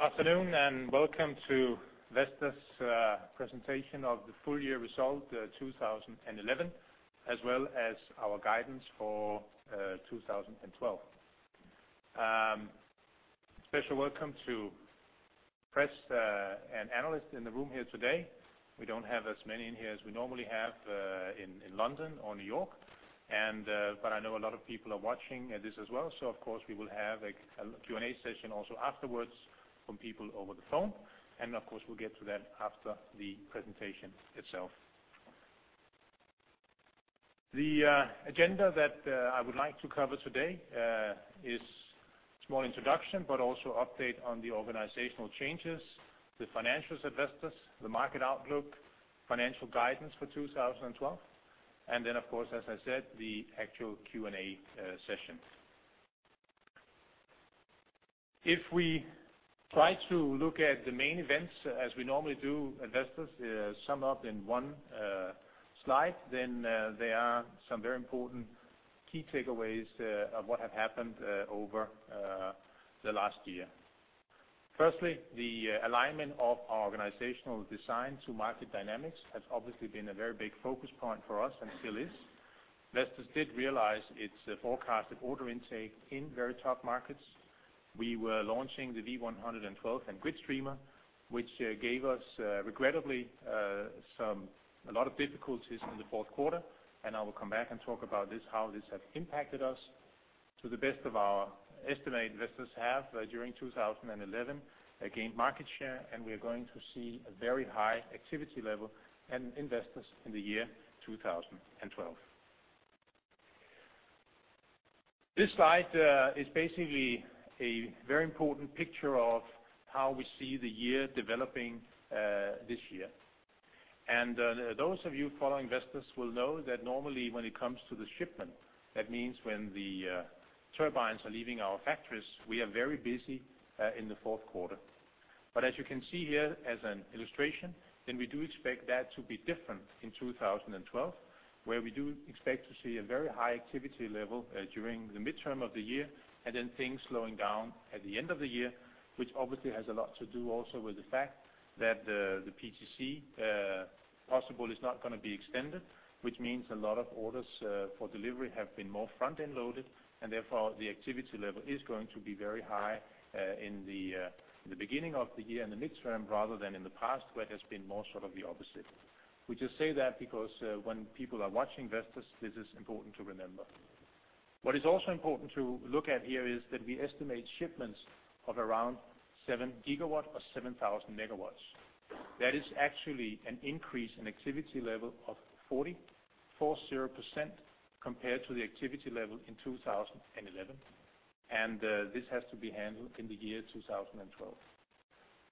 Afternoon, and welcome to Vestas presentation of the full year result, 2011, as well as our guidance for, 2012. Special welcome to press, and analysts in the room here today. We don't have as many in here as we normally have, in London or New York, and, but I know a lot of people are watching this as well, so of course, we will have a Q&A session also afterwards from people over the phone. Of course, we'll get to that after the presentation itself. The agenda that I would like to cover today is small introduction, but also update on the organizational changes, the financials at Vestas, the market outlook, financial guidance for 2012, and then of course, as I said, the actual Q&A session. If we try to look at the main events as we normally do, Vestas sum up in one slide, then there are some very important key takeaways of what have happened over the last year. Firstly, the alignment of our organizational design to market dynamics has obviously been a very big focus point for us and still is. Vestas did realize its forecasted order intake in very tough markets. We were launching the V112 and GridStreamer, which gave us, regrettably, a lot of difficulties in the fourth quarter, and I will come back and talk about this, how this has impacted us. To the best of our estimate, Vestas have during 2011 gained market share, and we are going to see a very high activity level in Vestas in the year 2012. This slide is basically a very important picture of how we see the year developing this year. Those of you following Vestas will know that normally when it comes to the shipment, that means when the turbines are leaving our factories, we are very busy in the fourth quarter. But as you can see here, as an illustration, then we do expect that to be different in 2012, where we do expect to see a very high activity level during the midterm of the year, and then things slowing down at the end of the year, which obviously has a lot to do also with the fact that the PTC possibly is not gonna be extended, which means a lot of orders for delivery have been more front-end loaded, and therefore, the activity level is going to be very high in the beginning of the year and the midterm, rather than in the past, where it has been more sort of the opposite. We just say that because when people are watching Vestas, this is important to remember. What is also important to look at here is that we estimate shipments of around 7 GW or 7,000 MW. That is actually an increase in activity level of 44%, compared to the activity level in 2011, and this has to be handled in the year 2012.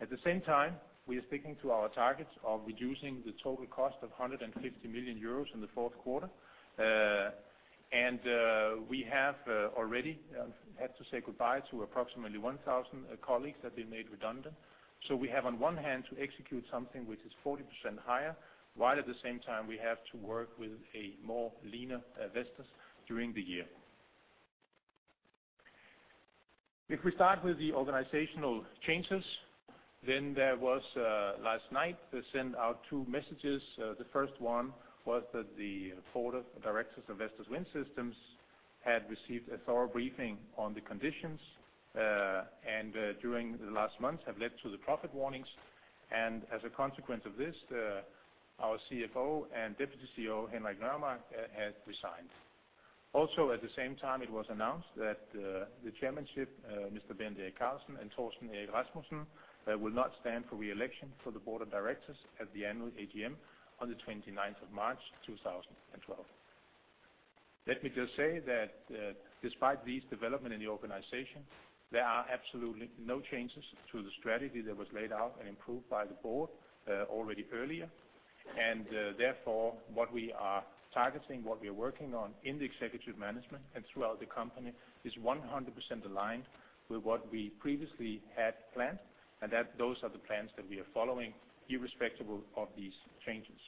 At the same time, we are sticking to our targets of reducing the total cost of 150 million euros in the fourth quarter. We have already had to say goodbye to approximately 1,000 colleagues that have been made redundant. So we have on one hand to execute something which is 40% higher, while at the same time, we have to work with a more leaner Vestas during the year. If we start with the organizational changes, then, last night, they sent out two messages. The first one was that the board of directors of Vestas Wind Systems had received a thorough briefing on the conditions and during the last months have led to the profit warnings. As a consequence of this, our CFO and Deputy CEO, Henrik Nørremark, has resigned. Also, at the same time, it was announced that the chairmanship, Mr. Bent Erik Carlsen and Torsten Erik Rasmussen, will not stand for re-election for the board of directors at the annual AGM on the twenty-ninth of March, two thousand and twelve. Let me just say that, despite these developments in the organization, there are absolutely no changes to the strategy that was laid out and approved by the board already earlier. Therefore, what we are targeting, what we are working on in the executive management and throughout the company, is 100% aligned with what we previously had planned, and that those are the plans that we are following, irrespective of these changes.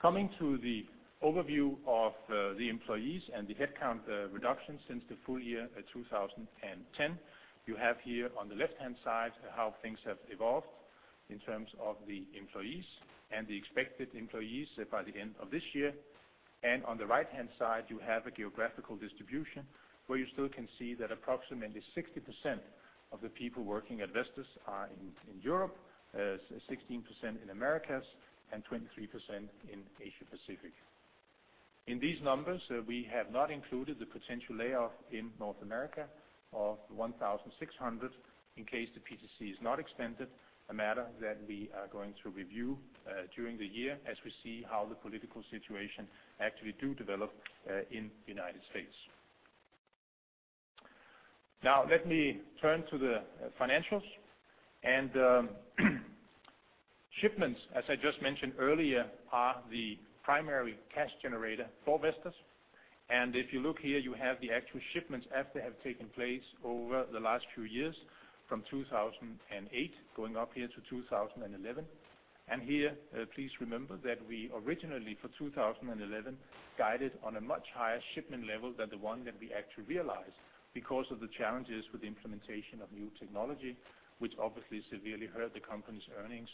Coming to the overview of the employees and the headcount reduction since the full year 2010. You have here on the left-hand side, how things have evolved in terms of the employees and the expected employees by the end of this year. On the right-hand side, you have a geographical distribution, where you still can see that approximately 60% of the people working at Vestas are in Europe, 16% in Americas, and 23% in Asia Pacific. In these numbers, we have not included the potential layoff in North America of 1,600, in case the PTC is not extended, a matter that we are going to review during the year, as we see how the political situation actually do develop in United States. Now, let me turn to the financials. Shipments, as I just mentioned earlier, are the primary cash generator for Vestas. If you look here, you have the actual shipments as they have taken place over the last few years, from 2008, going up here to 2011. Here, please remember that we originally, for 2011, guided on a much higher shipment level than the one that we actually realized, because of the challenges with the implementation of new technology, which obviously severely hurt the company's earnings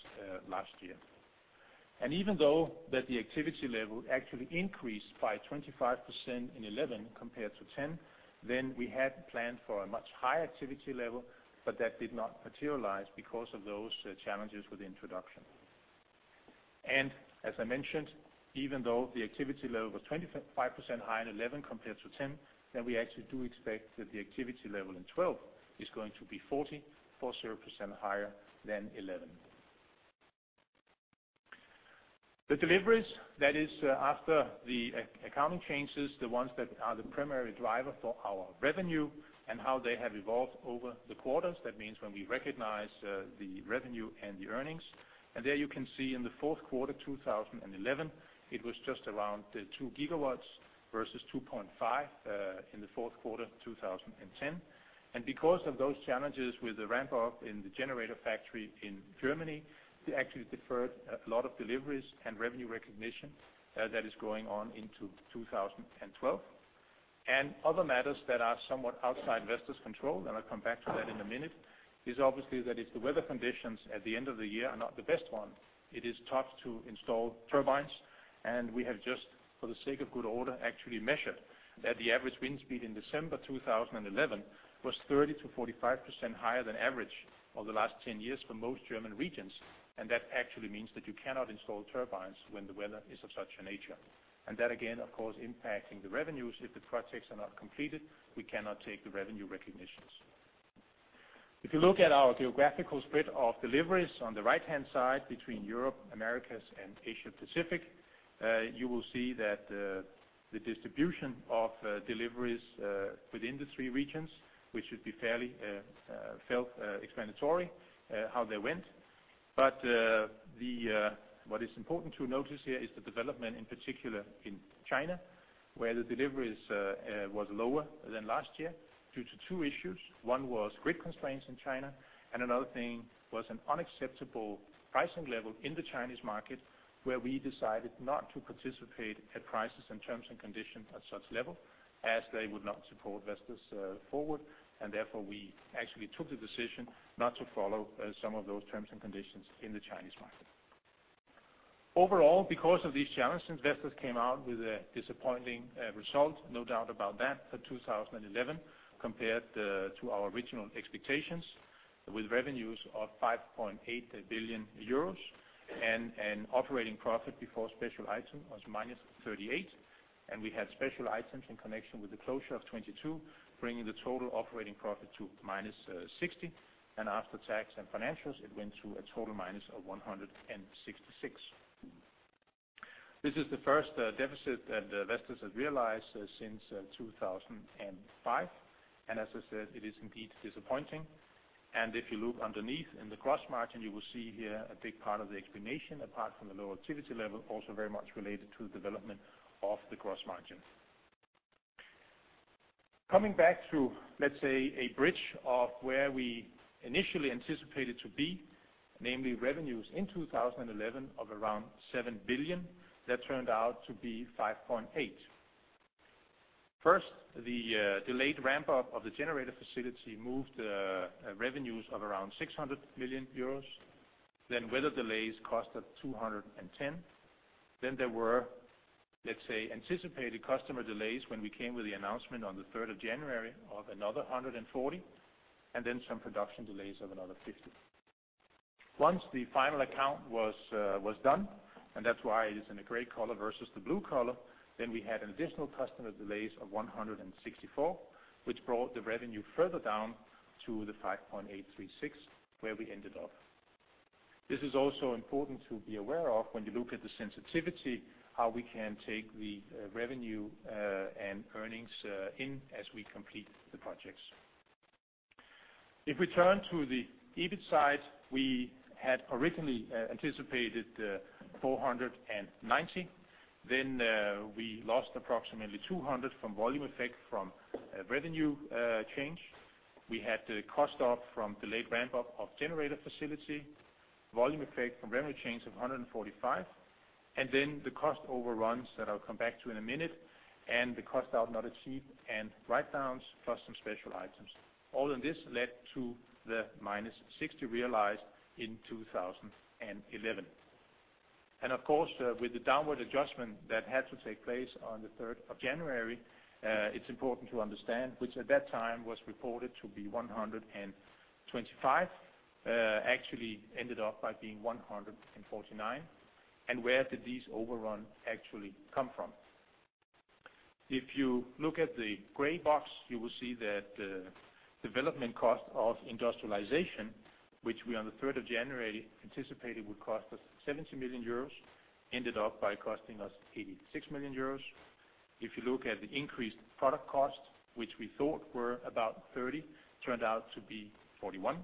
last year. Even though the activity level actually increased by 25% in 2011 compared to 2010, we had planned for a much higher activity level, but that did not materialize because of those challenges with the introduction. As I mentioned, even though the activity level was 25% higher in 2011 compared to 2010, then we actually do expect that the activity level in 2012 is going to be 440% higher than 2011. The deliveries, that is, after the accounting changes, the ones that are the primary driver for our revenue and how they have evolved over the quarters. That means when we recognize the revenue and the earnings, and there you can see in the fourth quarter 2011, it was just around the 2 GW versus 2.5 in the fourth quarter 2010. And because of those challenges with the ramp up in the generator factory in Germany, we actually deferred a lot of deliveries and revenue recognition, that is going on into 2012. And other matters that are somewhat outside Vestas control, and I'll come back to that in a minute, is obviously that if the weather conditions at the end of the year are not the best one, it is tough to install turbines. And we have just, for the sake of good order, actually measured that the average wind speed in December 2011 was 30%-45% higher than average over the last 10 years for most German regions. And that actually means that you cannot install turbines when the weather is of such a nature. And that, again, of course, impacting the revenues. If the projects are not completed, we cannot take the revenue recognitions. If you look at our geographical spread of deliveries on the right-hand side between Europe, Americas, and Asia Pacific, you will see that the distribution of deliveries within the three regions, which should be fairly self-explanatory, how they went. But what is important to notice here is the development, in particular in China, where the deliveries was lower than last year due to two issues. One was grid constraints in China, and another thing was an unacceptable pricing level in the Chinese market, where we decided not to participate at prices and terms and conditions at such level, as they would not support Vestas forward. Therefore, we actually took the decision not to follow some of those terms and conditions in the Chinese market. Overall, because of these challenges, Vestas came out with a disappointing result, no doubt about that, for 2011 compared to our original expectations, with revenues of 5.8 billion euros and operating profit before special item was -38. And we had special items in connection with the closure of 22, bringing the total operating profit to minus 60. And after tax and financials, it went to a total minus of 166. This is the first deficit that Vestas has realized since 2005. And as I said, it is indeed disappointing. And if you look underneath in the gross margin, you will see here a big part of the explanation, apart from the low activity level, also very much related to the development of the gross margin. Coming back to, let's say, a bridge of where we initially anticipated to be, namely revenues in 2011 of around 7 billion, that turned out to be 5.8 billion. First, the delayed ramp up of the generator facility moved revenues of around 600 million euros. Then weather delays cost us 210 million. Then there were, let's say, anticipated customer delays when we came with the announcement on the third of January of another 140 million, and then some production delays of another 50 million. Once the final account was done, and that's why it's in a gray color versus the blue color, then we had additional customer delays of 164 million, which brought the revenue further down to the 5.836 billion, where we ended up. This is also important to be aware of when you look at the sensitivity, how we can take the revenue and earnings in as we complete the projects. If we turn to the EBIT side, we had originally anticipated 490. Then we lost approximately 200 from volume effect from revenue change. We had the cost up from delayed ramp up of generator facility, volume effect from revenue change of 145, and then the cost overruns that I'll come back to in a minute, and the cost out not achieved, and writedowns, plus some special items. All of this led to the -60 realized in 2011. Of course, with the downward adjustment that had to take place on the third of January, it's important to understand, which at that time was reported to be 125, actually ended up by being 149. And where did these overrun actually come from? If you look at the gray box, you will see that, development cost of industrialization, which we, on the third of January, anticipated would cost us 70 million euros, ended up by costing us 86 million euros. If you look at the increased product cost, which we thought were about 30, turned out to be 41.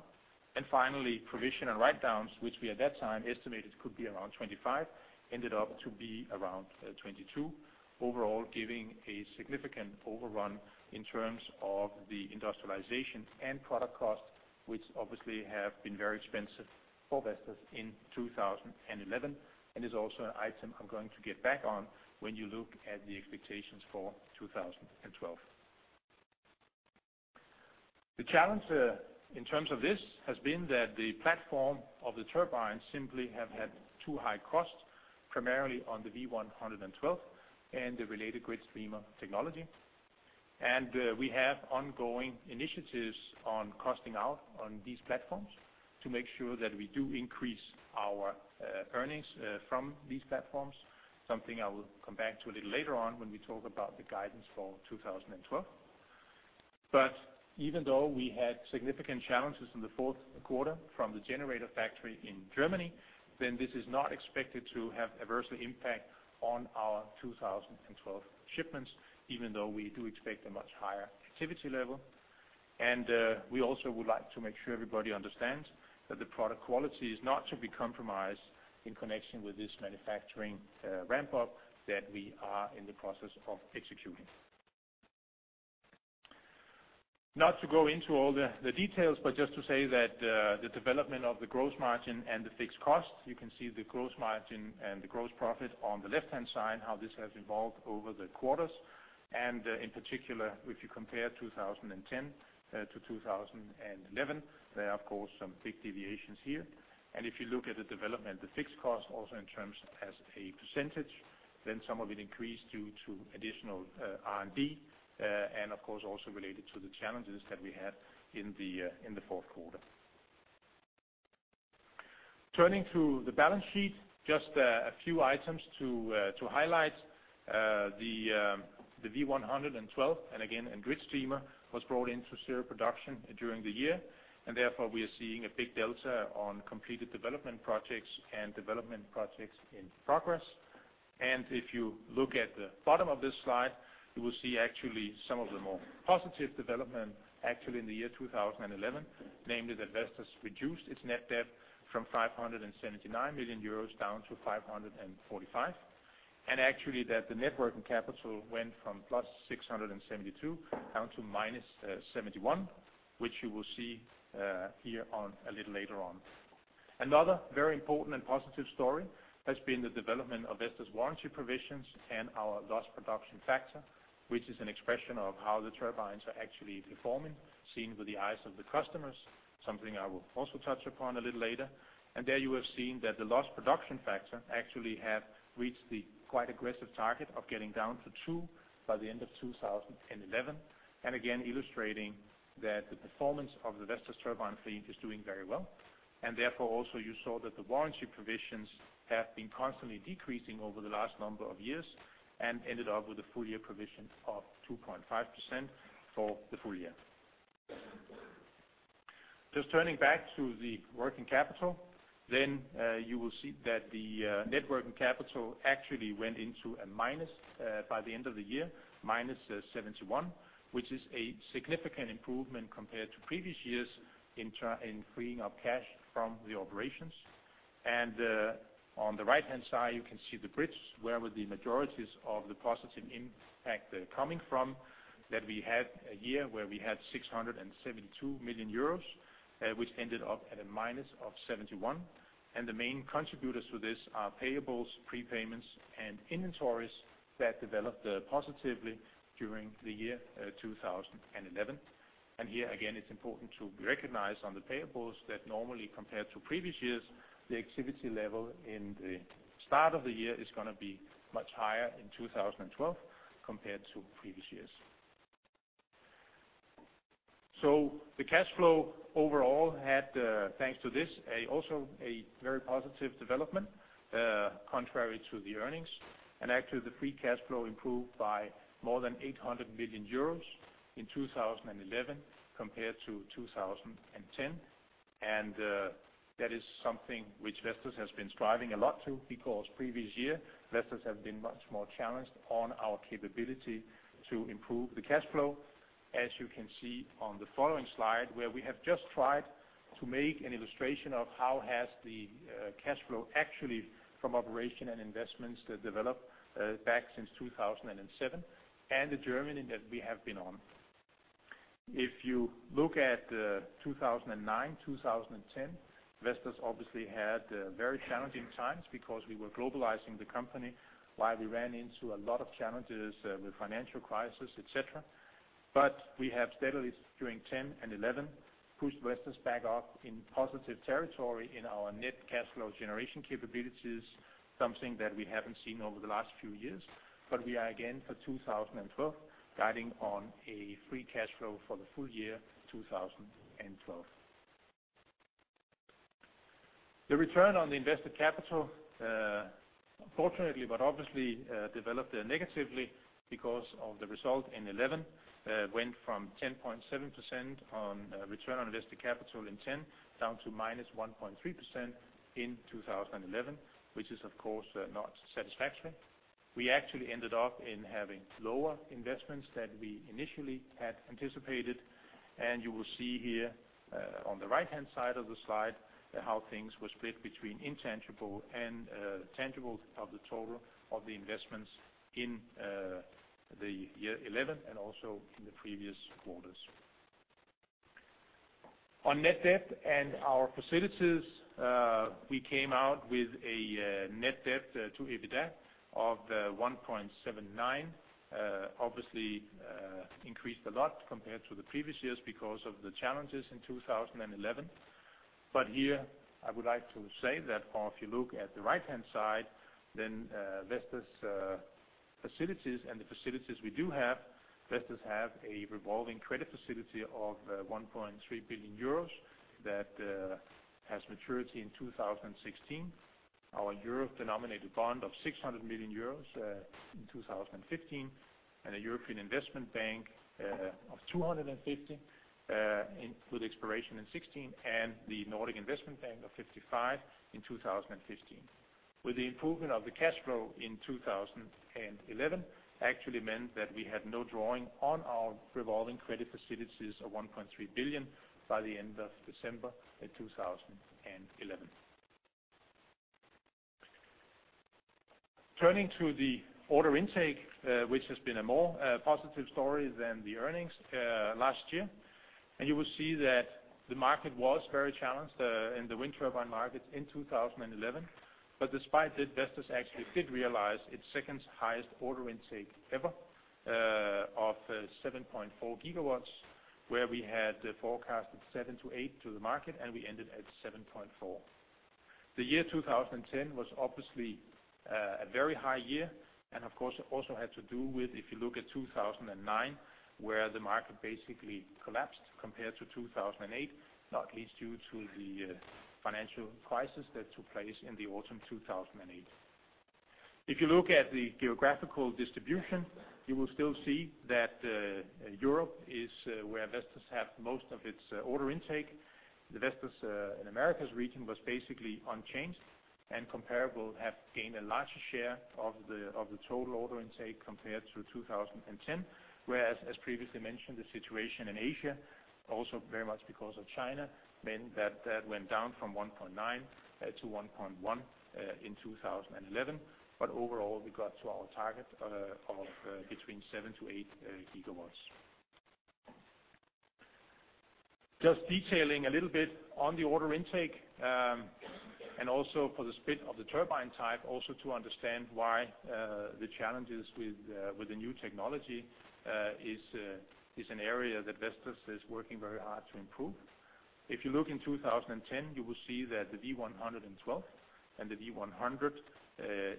And finally, provision and writedowns, which we, at that time, estimated could be around 25, ended up to be around, 22. Overall, giving a significant overrun in terms of the industrialization and product cost. which obviously have been very expensive for Vestas in 2011, and is also an item I'm going to get back on when you look at the expectations for 2012. The challenge, in terms of this has been that the platform of the turbines simply have had too high costs, primarily on the V112 and the related GridStreamer technology. And, we have ongoing initiatives on costing out on these platforms to make sure that we do increase our, earnings, from these platforms, something I will come back to a little later on when we talk about the guidance for 2012. But even though we had significant challenges in the fourth quarter from the generator factory in Germany, then this is not expected to have adverse impact on our 2012 shipments, even though we do expect a much higher activity level. And we also would like to make sure everybody understands that the product quality is not to be compromised in connection with this manufacturing ramp up, that we are in the process of executing. Not to go into all the details, but just to say that the development of the gross margin and the fixed costs, you can see the gross margin and the gross profit on the left-hand side, how this has evolved over the quarters. And in particular, if you compare 2010 to 2011, there are, of course, some big deviations here. If you look at the development, the fixed cost also in terms as a percentage, then some of it increased due to additional, R&D, and of course, also related to the challenges that we had in the, in the fourth quarter. Turning to the balance sheet, just, a few items to, to highlight. The, the V112, and again, and GridStreamer, was brought into serial production during the year, and therefore, we are seeing a big delta on completed development projects and development projects in progress. If you look at the bottom of this slide, you will see actually some of the more positive development actually in the year 2011, namely that Vestas reduced its net debt from 579 million euros down to 545 million. Actually, that the net working capital went from +672 down to -71, which you will see here on a little later on. Another very important and positive story has been the development of Vestas warranty provisions and our Lost Production Factor, which is an expression of how the turbines are actually performing, seen with the eyes of the customers, something I will also touch upon a little later. There you have seen that the Lost Production Factor actually have reached the quite aggressive target of getting down to 2 by the end of 2011. Again, illustrating that the performance of the Vestas turbine fleet is doing very well. Therefore, also, you saw that the warranty provisions have been constantly decreasing over the last number of years and ended up with a full-year provision of 2.5% for the full year. Just turning back to the working capital, then, you will see that the net working capital actually went into a minus by the end of the year, -71 million, which is a significant improvement compared to previous years in freeing up cash from the operations. And on the right-hand side, you can see the bridge, where were the majorities of the positive impact coming from, that we had a year where we had 672 million euros, which ended up at a minus of 71. The main contributors to this are payables, prepayments, and inventories that developed positively during the year 2011. And here, again, it's important to recognize on the payables that normally, compared to previous years, the activity level in the start of the year is going to be much higher in 2012 compared to previous years. So the cash flow overall had, thanks to this, also a very positive development, contrary to the earnings. And actually, the free cash flow improved by more than 800 million euros in 2011 compared to 2010. And that is something which Vestas has been striving a lot to, because previous year, Vestas have been much more challenged on our capability to improve the cash flow. As you can see on the following slide, where we have just tried to make an illustration of how has the cash flow actually from operation and investments developed back since 2007, and the journey that we have been on. If you look at 2009, 2010, Vestas obviously had very challenging times because we were globalizing the company, while we ran into a lot of challenges with financial crisis, et cetera. But we have steadily, during 2010 and 2011, pushed Vestas back up in positive territory in our net cash flow generation capabilities, something that we haven't seen over the last few years. But we are again, for 2012, guiding on a free cash flow for the full year 2012. The return on the invested capital, unfortunately, but obviously, developed negatively because of the result in 2011. Went from 10.7% on return on invested capital in 2010, down to -1.3% in 2011, which is, of course, not satisfactory. We actually ended up in having lower investments than we initially had anticipated, and you will see here, on the right-hand side of the slide, how things were split between intangible and tangible of the total of the investments in the year 2011, and also in the previous quarters.... On net debt and our facilities, we came out with a net debt to EBITDA of 1.79. Obviously, increased a lot compared to the previous years because of the challenges in 2011. But here, I would like to say that if you look at the right-hand side, then, Vestas facilities and the facilities we do have, Vestas have a revolving credit facility of 1.3 billion euros that has maturity in 2016. Our Euro-denominated bond of 600 million euros in 2015, and a European Investment Bank of 250 million with expiration in 2016, and the Nordic Investment Bank of 55 million in 2015. With the improvement of the cash flow in 2011, actually meant that we had no drawing on our revolving credit facilities of 1.3 billion by the end of December in 2011. Turning to the order intake, which has been a more positive story than the earnings last year. You will see that the market was very challenged in the wind turbine market in 2011. But despite that, Vestas actually did realize its second highest order intake ever, of 7.4 gigawatts, where we had forecasted 7-8 to the market, and we ended at 7.4. The year 2010 was obviously a very high year, and of course, it also had to do with, if you look at 2009, where the market basically collapsed compared to 2008, not least due to the financial crisis that took place in the autumn 2008. If you look at the geographical distribution, you will still see that Europe is where Vestas have most of its order intake. The Vestas in Americas region was basically unchanged and comparable, have gained a larger share of the total order intake compared to 2010. Whereas, as previously mentioned, the situation in Asia, also very much because of China, meant that went down from 1.9 to 1.1 in 2011. But overall, we got to our target of between 7-8 gigawatts. Just detailing a little bit on the order intake and also for the split of the turbine type, also to understand why the challenges with the new technology is an area that Vestas is working very hard to improve. If you look in 2010, you will see that the V112 and the V100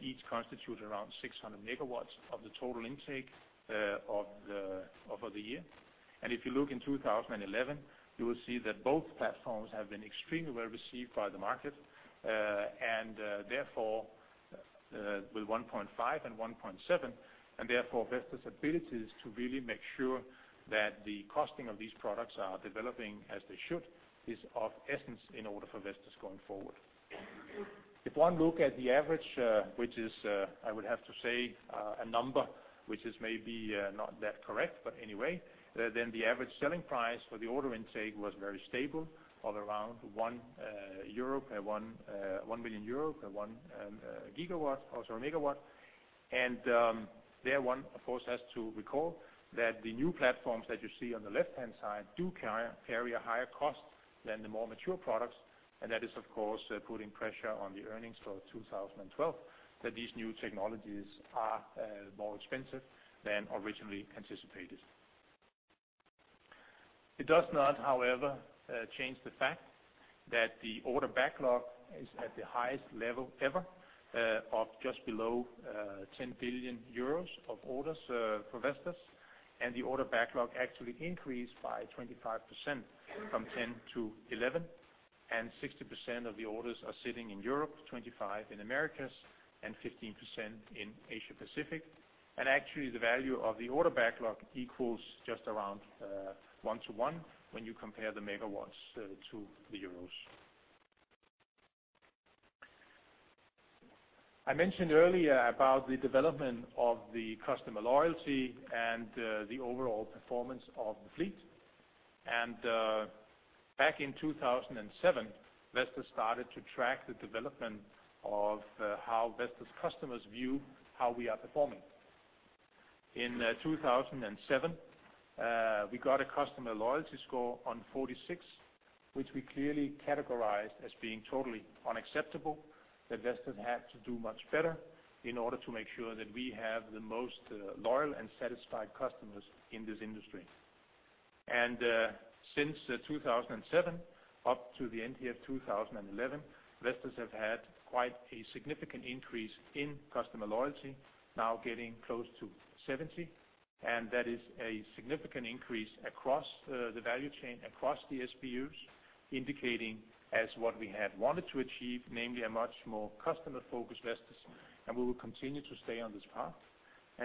each constitute around 600 MW of the total intake of the year. If you look in 2011, you will see that both platforms have been extremely well received by the market, and therefore, with 1.5 and 1.7, and therefore, Vestas' ability is to really make sure that the costing of these products are developing as they should, is of essence in order for Vestas going forward. If one look at the average, which is, I would have to say, a number which is maybe not that correct, but anyway, then the average selling price for the order intake was very stable of around 1 million euro per gigawatt, oh, sorry, megawatt. And, therefore, one, of course, has to recall that the new platforms that you see on the left-hand side do carry a higher cost than the more mature products, and that is, of course, putting pressure on the earnings for 2012, that these new technologies are more expensive than originally anticipated. It does not, however, change the fact that the order backlog is at the highest level ever of just below 10 billion euros of orders for Vestas, and the order backlog actually increased by 25% from 2010 to 2011, and 60% of the orders are sitting in Europe, 25% in Americas, and 15% in Asia Pacific. And actually, the value of the order backlog equals just around 1 to 1 when you compare the megawatts to the euros. I mentioned earlier about the development of the customer loyalty and the overall performance of the fleet. Back in 2007, Vestas started to track the development of how Vestas customers view how we are performing. In 2007, we got a Customer Loyalty Score on 46, which we clearly categorized as being totally unacceptable, that Vestas had to do much better in order to make sure that we have the most loyal and satisfied customers in this industry. Since 2007, up to the end of 2011, Vestas have had quite a significant increase in customer loyalty, now getting close to 70, and that is a significant increase across the value chain, across the SBUs, indicating as what we had wanted to achieve, namely a much more customer-focused Vestas, and we will continue to stay on this path.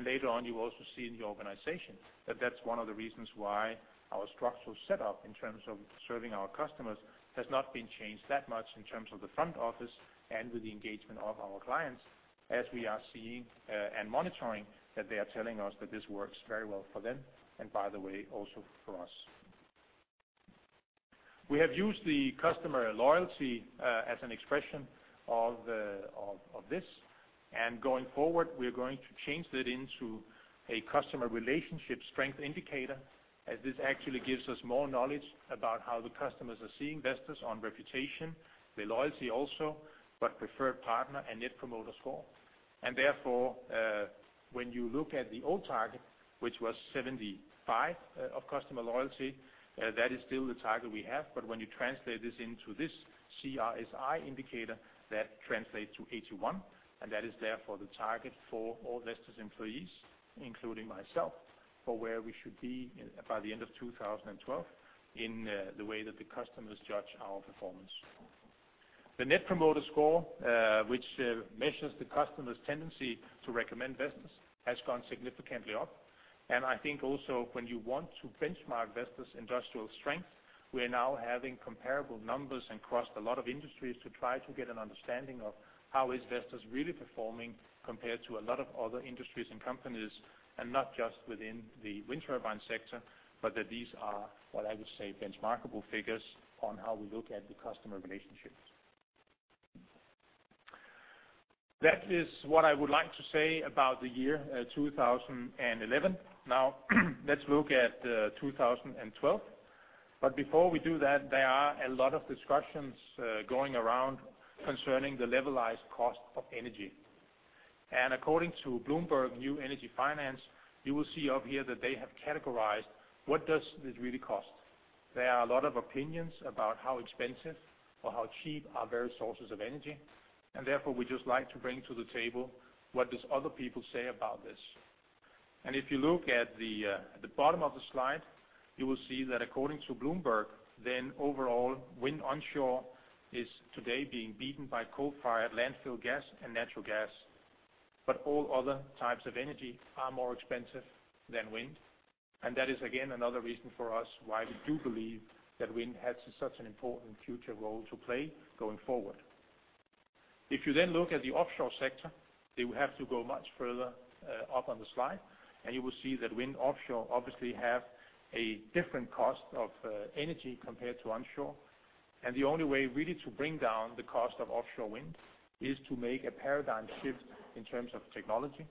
Later on, you will also see in the organization that that's one of the reasons why our structural setup, in terms of serving our customers, has not been changed that much in terms of the front office and with the engagement of our clients, as we are seeing and monitoring that they are telling us that this works very well for them, and by the way, also for us. We have used the customer loyalty as an expression of the of this, and going forward, we are going to change that into a customer relationship strength indicator, as this actually gives us more knowledge about how the customers are seeing Vestas on reputation, the loyalty also, but preferred partner and net promoter score. And therefore, when you look at the old target, which was 75, of customer loyalty, that is still the target we have. But when you translate this into this CRSI indicator, that translates to 81, and that is therefore the target for all Vestas employees, including myself, for where we should be by the end of 2012, in the way that the customers judge our performance. The Net Promoter Score, which measures the customer's tendency to recommend Vestas, has gone significantly up. And I think also when you want to benchmark Vestas' industrial strength, we are now having comparable numbers across a lot of industries to try to get an understanding of how is Vestas really performing compared to a lot of other industries and companies, and not just within the wind turbine sector, but that these are, what I would say, benchmarkable figures on how we look at the customer relationships. That is what I would like to say about the year 2011. Now, let's look at 2012. But before we do that, there are a lot of discussions going around concerning the Levelized Cost of Energy. And according to Bloomberg New Energy Finance, you will see up here that they have categorized what does it really cost? There are a lot of opinions about how expensive or how cheap are various sources of energy, and therefore, we just like to bring to the table, what does other people say about this? And if you look at the bottom of the slide, you will see that according to Bloomberg, then overall, wind onshore is today being beaten by coal-fired, landfill gas, and natural gas. But all other types of energy are more expensive than wind, and that is, again, another reason for us why we do believe that wind has such an important future role to play going forward. If you then look at the offshore sector, then we have to go much further up on the slide, and you will see that wind offshore obviously have a different cost of energy compared to onshore. The only way really to bring down the cost of offshore wind is to make a paradigm shift in terms of technology,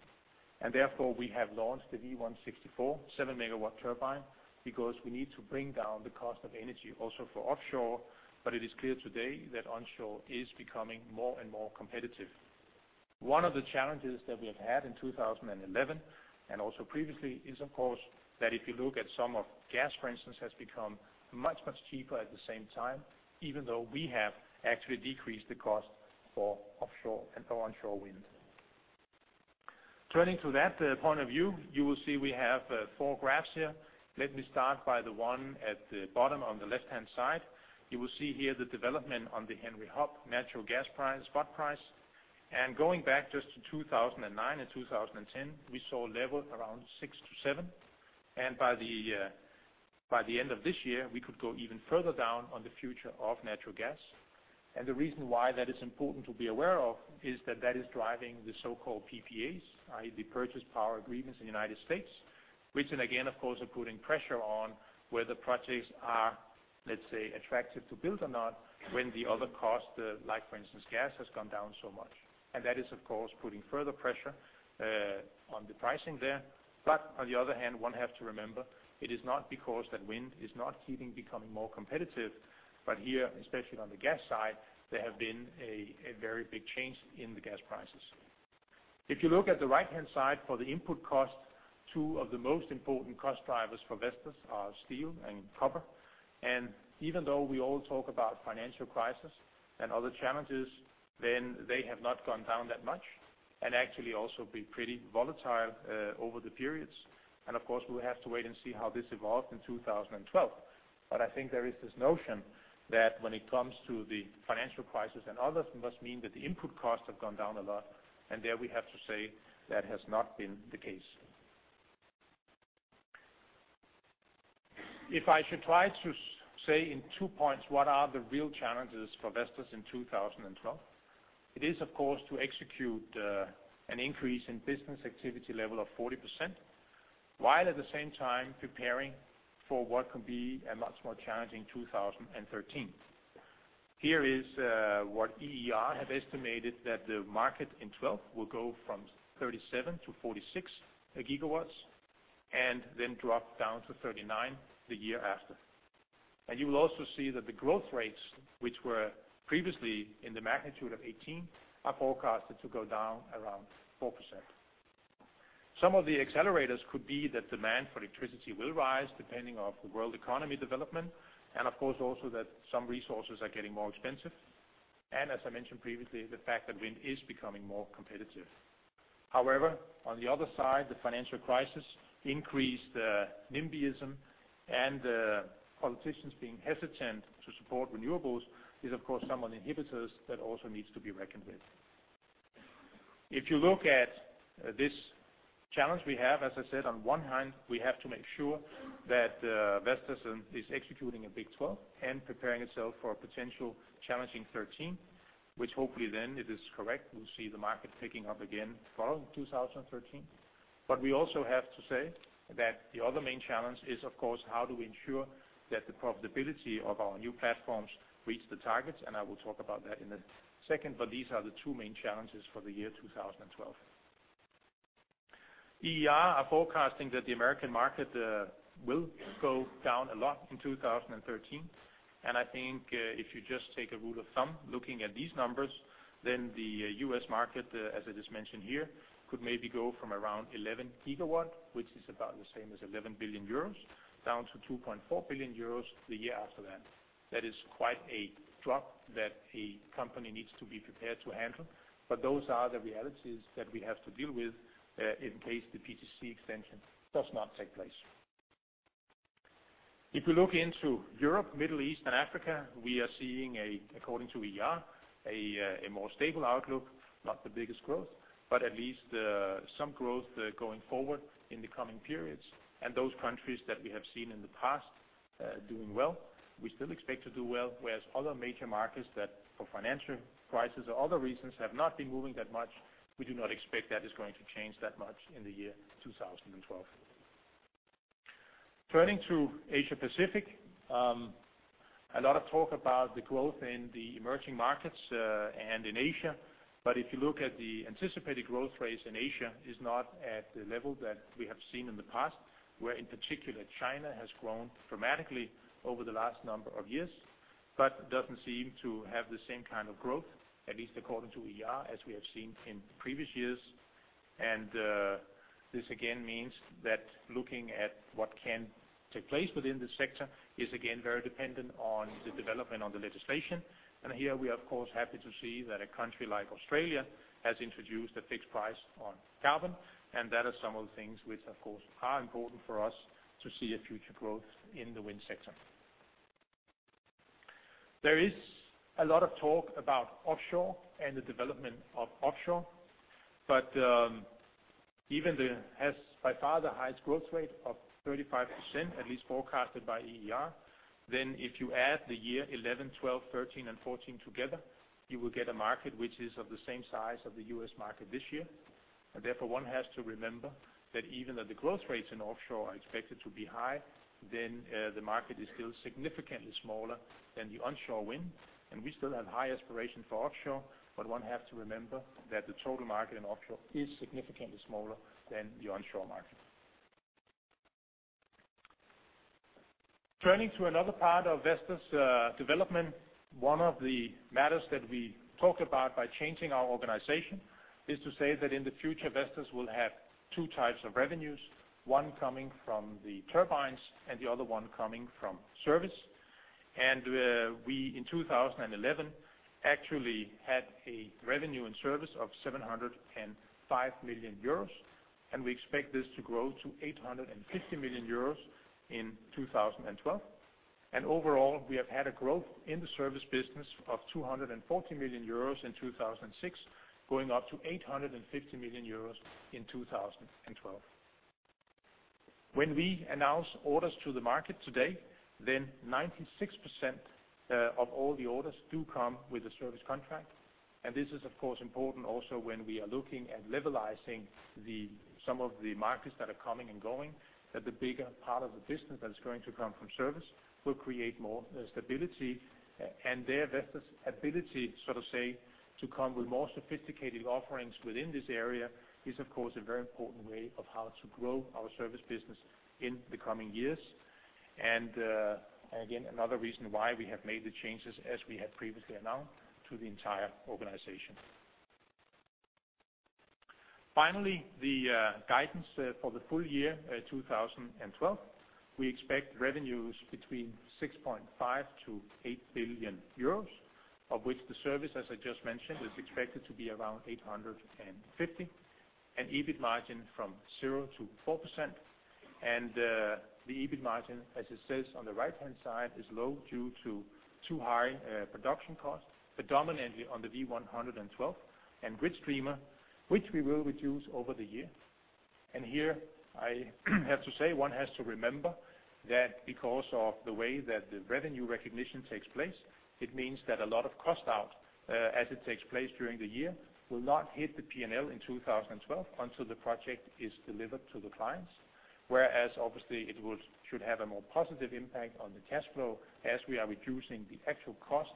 and therefore, we have launched the V164 7-MW turbine, because we need to bring down the cost of energy also for offshore, but it is clear today that onshore is becoming more and more competitive. One of the challenges that we have had in 2011, and also previously, is, of course, that if you look at some of gas, for instance, has become much, much cheaper at the same time, even though we have actually decreased the cost for offshore and for onshore wind. Turning to that point of view, you will see we have four graphs here. Let me start by the one at the bottom on the left-hand side. You will see here the development on the Henry Hub natural gas price, spot price. Going back just to 2009 and 2010, we saw a level around 6-7, and by the end of this year, we could go even further down on the future of natural gas. And the reason why that is important to be aware of is that that is driving the so-called PPAs, i.e., the Power Purchase Agreements in the United States, which then again, of course, are putting pressure on whether projects are, let's say, attractive to build or not, when the other costs, like for instance, gas, has gone down so much. And that is, of course, putting further pressure on the pricing there. But on the other hand, one have to remember, it is not because that wind is not keeping becoming more competitive, but here, especially on the gas side, there have been a very big change in the gas prices. If you look at the right-hand side for the input cost, two of the most important cost drivers for Vestas are steel and copper. And even though we all talk about financial crisis and other challenges, then they have not gone down that much, and actually also been pretty volatile over the periods. And of course, we'll have to wait and see how this evolves in 2012. But I think there is this notion that when it comes to the financial crisis and others, it must mean that the input costs have gone down a lot, and there we have to say that has not been the case. If I should try to say in two points, what are the real challenges for Vestas in 2012, it is, of course, to execute an increase in business activity level of 40%, while at the same time preparing for what could be a much more challenging 2013. Here is what EER have estimated, that the market in 2012 will go from 37-46 gigawatts, and then drop down to 39 the year after. And you will also see that the growth rates, which were previously in the magnitude of 18, are forecasted to go down around 4%. Some of the accelerators could be that demand for electricity will rise, depending on the world economy development, and of course, also that some resources are getting more expensive, and as I mentioned previously, the fact that wind is becoming more competitive. However, on the other side, the financial crisis increased NIMBYism and politicians being hesitant to support renewables is, of course, some of the inhibitors that also needs to be reckoned with. If you look at this challenge we have, as I said, on one hand, we have to make sure that Vestas is executing a big 2012 and preparing itself for a potential challenging 2013, which hopefully then, if it is correct, we'll see the market picking up again following 2013. But we also have to say that the other main challenge is, of course, how do we ensure that the profitability of our new platforms reach the targets? And I will talk about that in a second, but these are the two main challenges for the year 2012. EER is forecasting that the American market will go down a lot in 2013. And I think if you just take a rule of thumb, looking at these numbers, then the US market, as I just mentioned here, could maybe go from around 11 GW, which is about the same as 11 billion euros, down to 2.4 billion euros the year after that. That is quite a drop that a company needs to be prepared to handle. But those are the realities that we have to deal with in case the PTC extension does not take place. If you look into Europe, Middle East, and Africa, we are seeing a, according to EER, a more stable outlook, not the biggest growth, but at least some growth going forward in the coming periods. Those countries that we have seen in the past doing well, we still expect to do well, whereas other major markets that for financial crisis or other reasons have not been moving that much, we do not expect that is going to change that much in 2012. Turning to Asia Pacific, a lot of talk about the growth in the emerging markets and in Asia. But if you look at the anticipated growth rates in Asia, is not at the level that we have seen in the past, where in particular, China has grown dramatically over the last number of years, but doesn't seem to have the same kind of growth, at least according to EER, as we have seen in previous years. This again means that looking at what can take place within the sector is again very dependent on the development on the legislation. Here we are, of course, happy to see that a country like Australia has introduced a fixed price on carbon, and that is some of the things which, of course, are important for us to see a future growth in the wind sector. There is a lot of talk about offshore and the development of offshore, but even onshore has by far the highest growth rate of 35%, at least forecasted by EER. Then, if you add the year 2011, 2012, 2013, and 2014 together, you will get a market which is of the same size of the US market this year. And therefore, one has to remember that even though the growth rates in offshore are expected to be high, then, the market is still significantly smaller than the onshore wind, and we still have high aspiration for offshore. But one have to remember that the total market in offshore is significantly smaller than the onshore market. Turning to another part of Vestas, development, one of the matters that we talked about by changing our organization, is to say that in the future, Vestas will have two types of revenues, one coming from the turbines and the other one coming from service. And, we, in 2011, actually had a revenue and service of 705 million euros, and we expect this to grow to 850 million euros in 2012. Overall, we have had a growth in the service business of 240 million euros in 2006, going up to 850 million euros in 2012. When we announce orders to the market today, then 96% of all the orders do come with a service contract. And this is, of course, important also when we are looking at levelizing some of the markets that are coming and going, that the bigger part of the business that is going to come from service will create more stability. And there, Vestas' ability, so to say, to come with more sophisticated offerings within this area is, of course, a very important way of how to grow our service business in the coming years. and again, another reason why we have made the changes as we have previously announced to the entire organization. Finally, the guidance for the full year 2012. We expect revenues between 6.5 billion-8 billion euros, of which the service, as I just mentioned, is expected to be around 850 million, an EBIT margin from 0%-4%. The EBIT margin, as it says on the right-hand side, is low due to too high production costs, predominantly on the V112 and GridStreamer, which we will reduce over the year. And here I have to say, one has to remember that because of the way that the revenue recognition takes place, it means that a lot of cost out, as it takes place during the year, will not hit the P&L in 2012 until the project is delivered to the clients. Whereas obviously, it should have a more positive impact on the cash flow as we are reducing the actual cost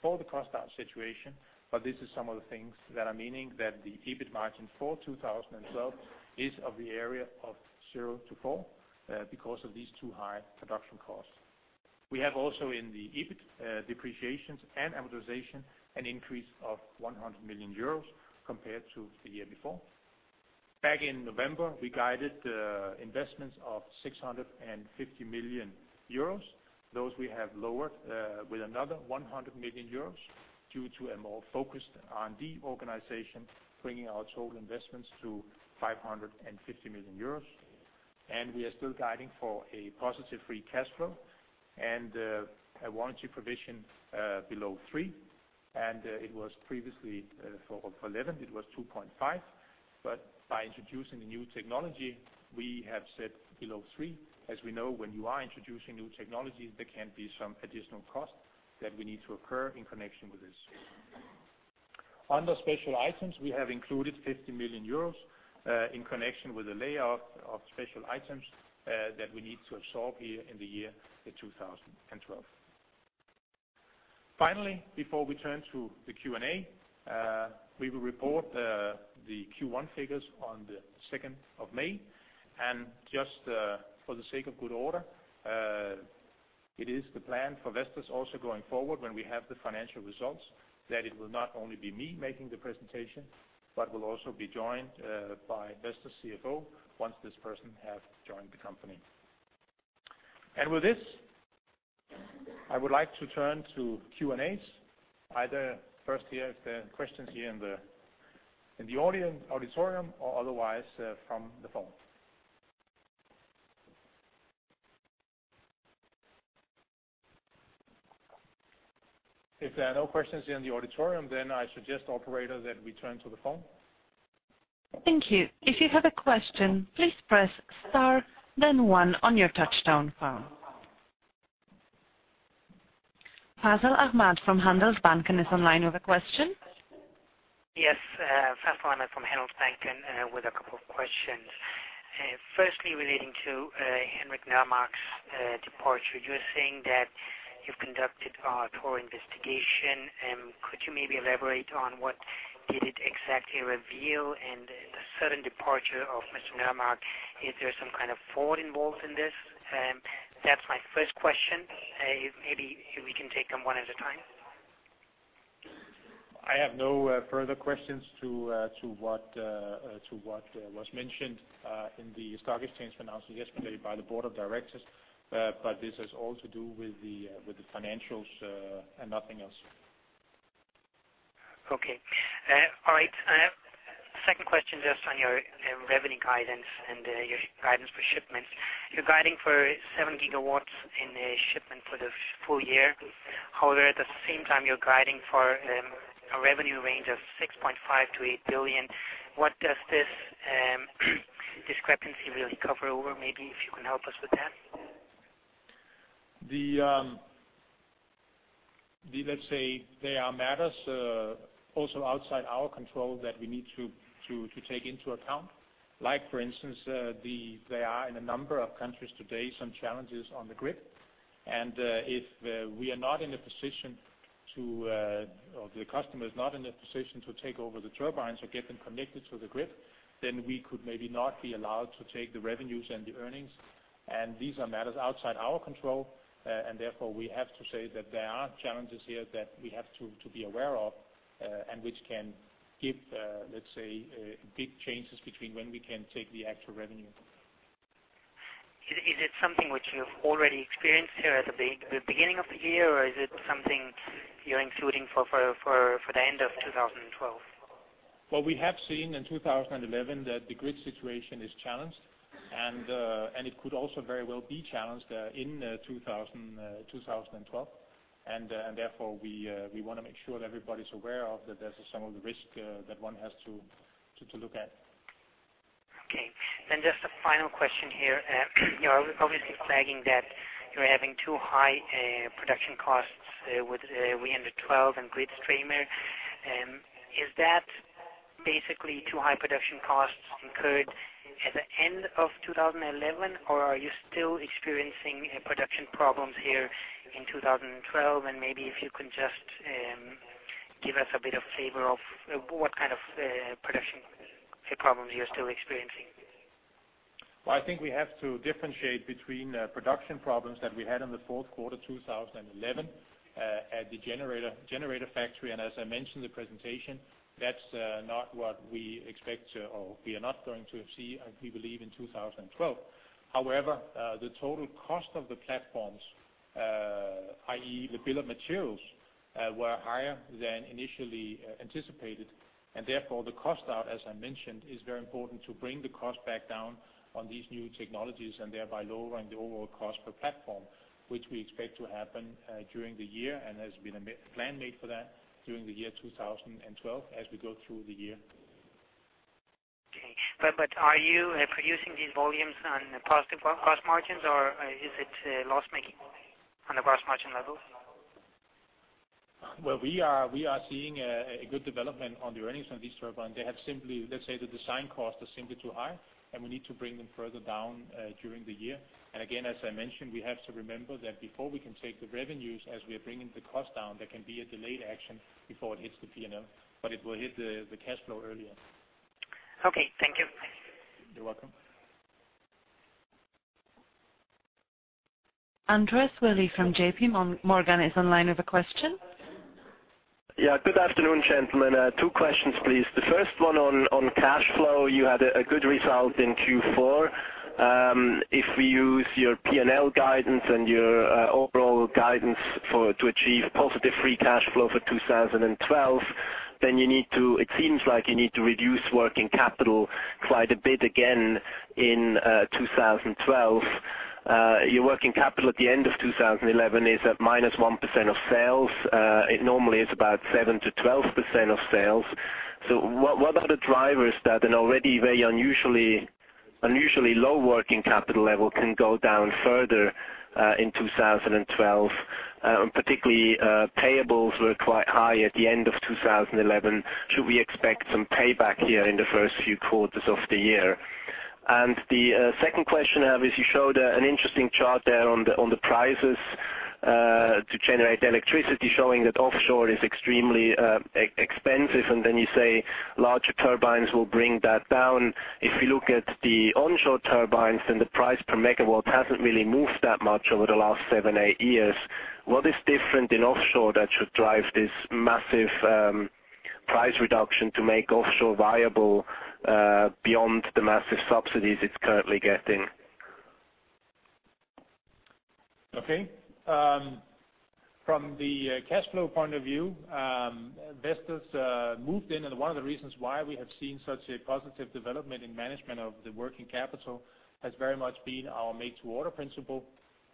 for the cost out situation. But this is some of the things that are meaning that the EBIT margin for 2012 is of the area of 0%-4%, because of these two high production costs. We have also in the EBIT, depreciations and amortization, an increase of 100 million euros compared to the year before. Back in November, we guided investments of 650 million euros. Those we have lowered with another 100 million euros due to a more focused on the organization, bringing our total investments to 550 million euros. We are still guiding for a positive free cash flow and a warranty provision below 3, and it was previously, for 2011, it was 2.5. But by introducing the new technology, we have set below 3. As we know, when you are introducing new technologies, there can be some additional costs that we need to incur in connection with this. Under special items, we have included 50 million euros in connection with the layout of special items that we need to absorb here in the year, in 2012. Finally, before we turn to the Q&A, we will report the Q1 figures on the second of May. And just for the sake of good order, it is the plan for Vestas also going forward, when we have the financial results, that it will not only be me making the presentation, but will also be joined by Vestas CFO, once this person have joined the company. And with this, I would like to turn to Q&As, either first here, if there are questions here in the audience-auditorium, or otherwise from the phone. If there are no questions in the auditorium, then I suggest, operator, that we turn to the phone. Thank you. If you have a question, please press star, then one on your touchtone phone. Fazal Ahmad from Handelsbanken is online with a question. Yes, Fazal Ahmad from Handelsbanken, with a couple of questions. Firstly, relating to Henrik Nørremark's departure. You were saying that you've conducted a thorough investigation, and could you maybe elaborate on what it exactly revealed? And the sudden departure of Mr. Nørremark, is there some kind of fraud involved in this? That's my first question. Maybe if we can take them one at a time. I have no further questions to what was mentioned in the stock exchange announcement yesterday by the board of directors. But this has all to do with the financials and nothing else. Okay. All right. Second question, just on your revenue guidance and your guidance for shipments. You're guiding for 7 gigawatts in the shipment for the full year. However, at the same time, you're guiding for a revenue range of 6.5 billion-8 billion. What does this discrepancy really cover over? Maybe if you can help us with that? The let's say there are matters also outside our control that we need to take into account. Like, for instance, there are in a number of countries today, some challenges on the grid. And, if we are not in a position to, or the customer is not in a position to take over the turbines or get them connected to the grid, then we could maybe not be allowed to take the revenues and the earnings. And these are matters outside our control. And therefore, we have to say that there are challenges here that we have to be aware of, and which can give, let's say, big changes between when we can take the actual revenue. Is it something which you've already experienced here at the beginning of the year, or is it something you're including for the end of 2012? Well, we have seen in 2011 that the grid situation is challenged, and it could also very well be challenged in 2012. Therefore, we want to make sure that everybody's aware that there's some of the risk that one has to look at. Okay. Then just a final question here. You are obviously flagging that you're having too high production costs with V112 and GridStreamer. Is that basically too high production costs incurred at the end of 2011, or are you still experiencing production problems here in 2012? And maybe if you can just give us a bit of flavor of what kind of production problems you're still experiencing. Well, I think we have to differentiate between production problems that we had in the fourth quarter, 2011, at the generator factory. And as I mentioned in the presentation, that's not what we expect to, or we are not going to see, we believe in 2012. However, the total cost of the platforms, i.e., the bill of materials, were higher than initially anticipated. And therefore, the cost out, as I mentioned, is very important to bring the cost back down on these new technologies, and thereby lowering the overall cost per platform, which we expect to happen during the year, and there's been a plan made for that during the year 2012, as we go through the year. Okay. But are you producing these volumes on positive gross margins, or is it loss-making on a gross margin level? Well, we are seeing a good development on the earnings on these turbines. They have simply, let's say, the design cost is simply too high, and we need to bring them further down during the year. And again, as I mentioned, we have to remember that before we can take the revenues, as we are bringing the cost down, there can be a delayed action before it hits the P&L, but it will hit the cash flow earlier. Okay, thank you. You're welcome. Andreas Willi from J.P. Morgan is online with a question. Yeah, good afternoon, gentlemen. Two questions, please. The first one on cash flow. You had a good result in Q4. If we use your P&L guidance and your overall guidance for- to achieve positive free cash flow for 2012, then you need to-- It seems like you need to reduce working capital quite a bit again in 2012. Your working capital at the end of 2011 is at -1% of sales. It normally is about 7%-12% of sales. So what are the drivers that an already very unusually low working capital level can go down further in 2012? And particularly, payables were quite high at the end of 2011. Should we expect some payback here in the first few quarters of the year? And the second question I have is, you showed an interesting chart there on the prices to generate electricity, showing that offshore is extremely expensive. And then you say larger turbines will bring that down. If you look at the onshore turbines, then the price per megawatt hasn't really moved that much over the last seven, eight years. What is different in offshore that should drive this massive price reduction to make offshore viable, beyond the massive subsidies it's currently getting? Okay. From the cash flow point of view, Vestas moved in, and one of the reasons why we have seen such a positive development in management of the working capital has very much been our make to order principle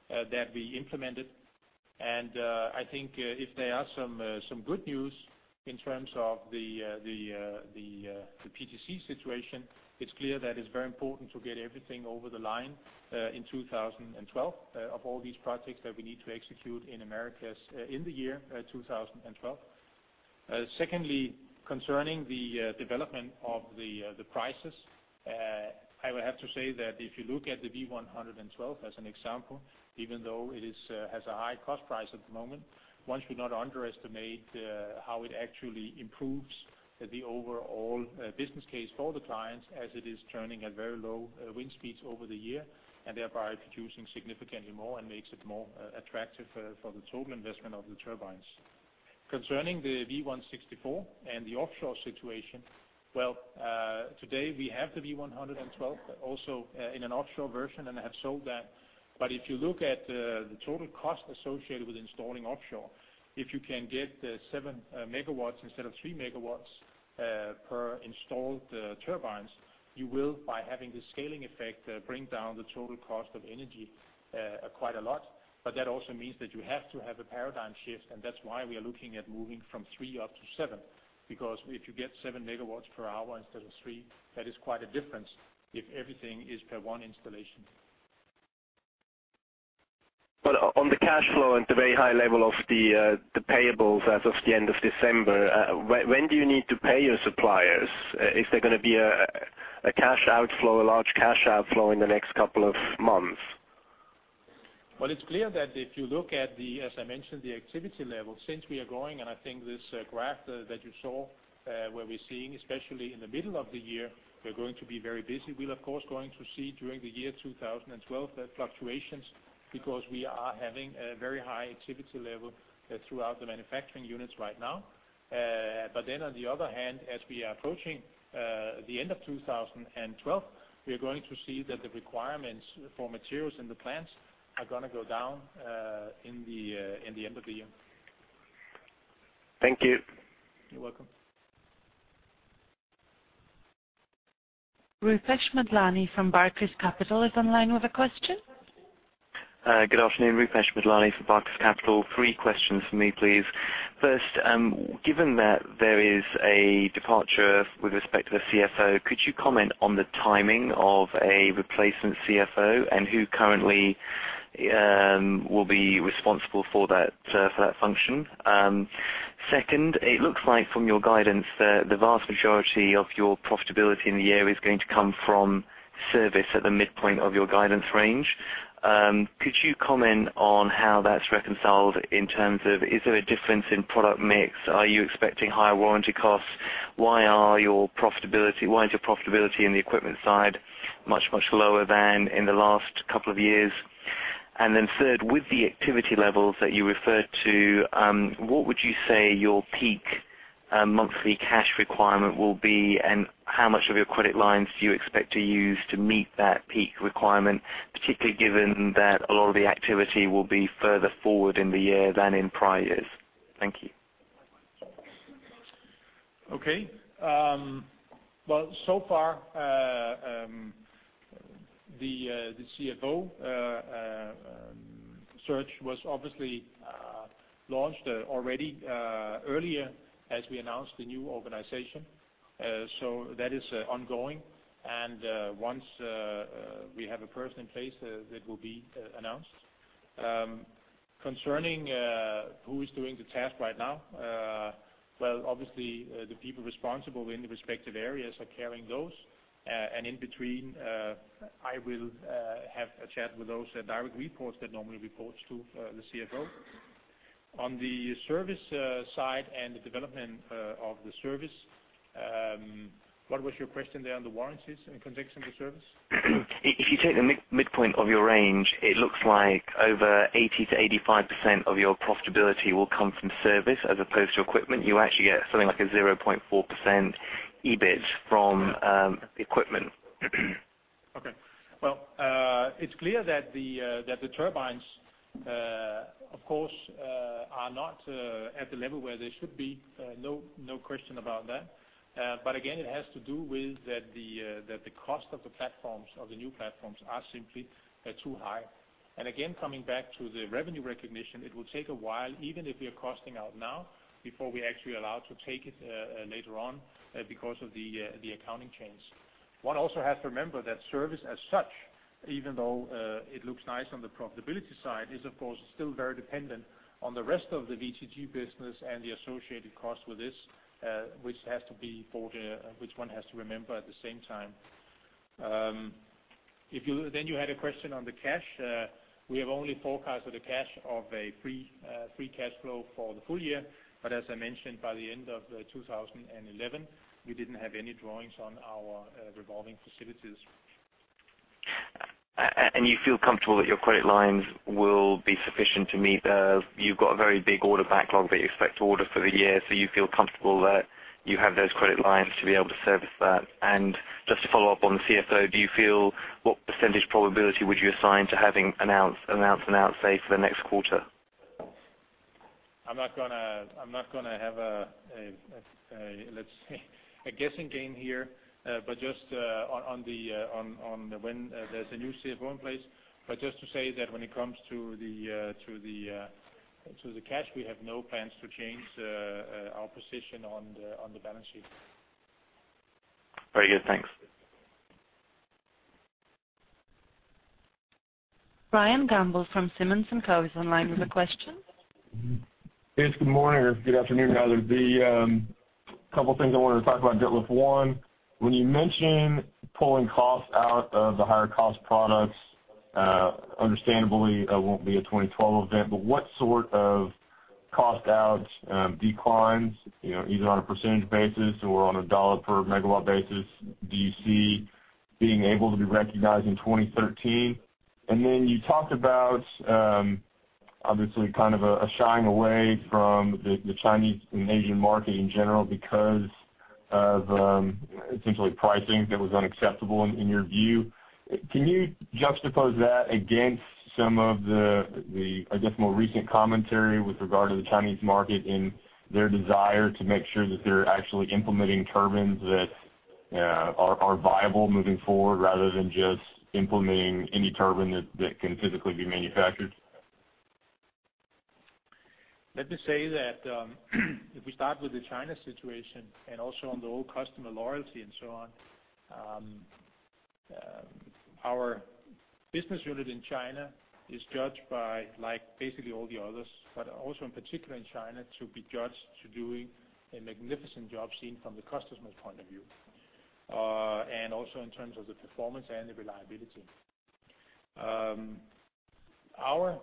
that we implemented. And I think if there are some good news in terms of the PTC situation, it's clear that it's very important to get everything over the line in 2012 of all these projects that we need to execute in Americas in the year 2012. Secondly, concerning the development of the prices, I would have to say that if you look at the V112 as an example, even though it has a high cost price at the moment, one should not underestimate how it actually improves the overall business case for the clients as it is turning at very low wind speeds over the year, and thereby producing significantly more and makes it more attractive for the total investment of the turbines. Concerning the V164 and the offshore situation, well, today we have the V112 also in an offshore version, and have sold that. But if you look at the total cost associated with installing offshore, if you can get 7 MW instead of 3 MW per installed turbines, you will, by having the scaling effect, bring down the total cost of energy quite a lot. But that also means that you have to have a paradigm shift, and that's why we are looking at moving from 3 up to 7. Because if you get 7 MW per hour instead of 3, that is quite a difference if everything is per one installation. But on the cash flow and the very high level of the payables as of the end of December, when do you need to pay your suppliers? Is there gonna be a cash outflow, a large cash outflow in the next couple of months? Well, it's clear that if you look at the, as I mentioned, the activity level, since we are growing, and I think this, graph, that you saw, where we're seeing, especially in the middle of the year, we're going to be very busy. We'll, of course, going to see during the year 2012, fluctuations, because we are having a very high activity level throughout the manufacturing units right now. But then on the other hand, as we are approaching, the end of 2012, we are going to see that the requirements for materials in the plants are gonna go down, in the, in the end of the year. Thank you. You're welcome. Rupesh Madlani from Barclays Capital is online with a question. Good afternoon, Rupesh Madlani from Barclays Capital. Three questions for me, please. First, given that there is a departure with respect to the CFO, could you comment on the timing of a replacement CFO, and who currently will be responsible for that, for that function? Second, it looks like from your guidance that the vast majority of your profitability in the year is going to come from service at the midpoint of your guidance range. Could you comment on how that's reconciled in terms of, is there a difference in product mix? Are you expecting higher warranty costs? Why are your profitability—why is your profitability in the equipment side much, much lower than in the last couple of years? And then third, with the activity levels that you referred to, what would you say your peak monthly cash requirement will be, and how much of your credit lines do you expect to use to meet that peak requirement, particularly given that a lot of the activity will be further forward in the year than in prior years? Thank you. Okay. Well, so far, the CFO search was obviously launched already earlier as we announced the new organization. So that is ongoing, and once we have a person in place, that will be announced. Concerning who is doing the task right now, well, obviously, the people responsible in the respective areas are carrying those. And in between, I will have a chat with those direct reports that normally reports to the CFO. On the service side and the development of the service, what was your question there on the warranties in context of the service? If you take the midpoint of your range, it looks like over 80%-85% of your profitability will come from service as opposed to equipment. You actually get something like a 0.4% EBIT from the equipment. Okay. Well, it's clear that the turbines, of course, are not at the level where they should be. No question about that. But again, it has to do with that the cost of the platforms, of the new platforms, are simply too high. And again, coming back to the revenue recognition, it will take a while, even if we are costing out now, before we actually allowed to take it later on, because of the accounting change. One also has to remember that service as such—even though it looks nice on the profitability side, is, of course, still very dependent on the rest of the WTG business and the associated costs with this, which has to be for the—which one has to remember at the same time. If you then had a question on the cash. We have only forecasted a cash of a free, free cash flow for the full year. But as I mentioned, by the end of 2011, we didn't have any drawings on our revolving facilities. And you feel comfortable that your credit lines will be sufficient to meet the, you've got a very big order backlog that you expect to order for the year, so you feel comfortable that you have those credit lines to be able to service that? And just to follow up on the CFO, do you feel, what percentage probability would you assign to having an announce, say, for the next quarter? I'm not gonna have a, let's say, a guessing game here. But just on when there's a new CFO in place. But just to say that when it comes to the cash, we have no plans to change our position on the balance sheet. Very good. Thanks. Brian Gamble from Simmons & Co. is online with a question. Yes, good morning or good afternoon, rather. The couple things I wanted to talk about, Ditlev. One, when you mention pulling costs out of the higher-cost products, understandably, that won't be a 2012 event. But what sort of cost-outs, declines, you know, either on a percentage basis or on a dollar-per-megawatt basis, do you see being able to be recognized in 2013? And then you talked about, obviously, kind of a shying away from the Chinese and Asian market in general because of, essentially, pricing that was unacceptable in your view. Can you juxtapose that against some of the, I guess, more recent commentary with regard to the Chinese market and their desire to make sure that they're actually implementing turbines that are viable moving forward, rather than just implementing any turbine that can physically be manufactured? Let me say that, if we start with the China situation and also on the old customer loyalty and so on, our business unit in China is judged by, like, basically all the others, but also in particular in China, to be judged to doing a magnificent job, seen from the customer's point of view, and also in terms of the performance and the reliability. Our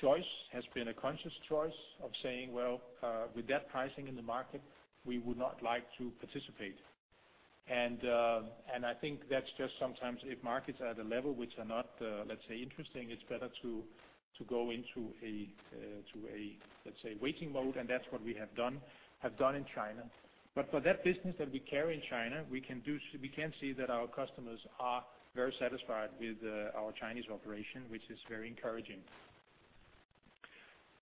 choice has been a conscious choice of saying, well, with that pricing in the market, we would not like to participate. And, and I think that's just sometimes if markets are at a level which are not, let's say, interesting, it's better to, to go into a, to a, let's say, waiting mode, and that's what we have done, have done in China. But for that business that we carry in China, we can see that our customers are very satisfied with our Chinese operation, which is very encouraging.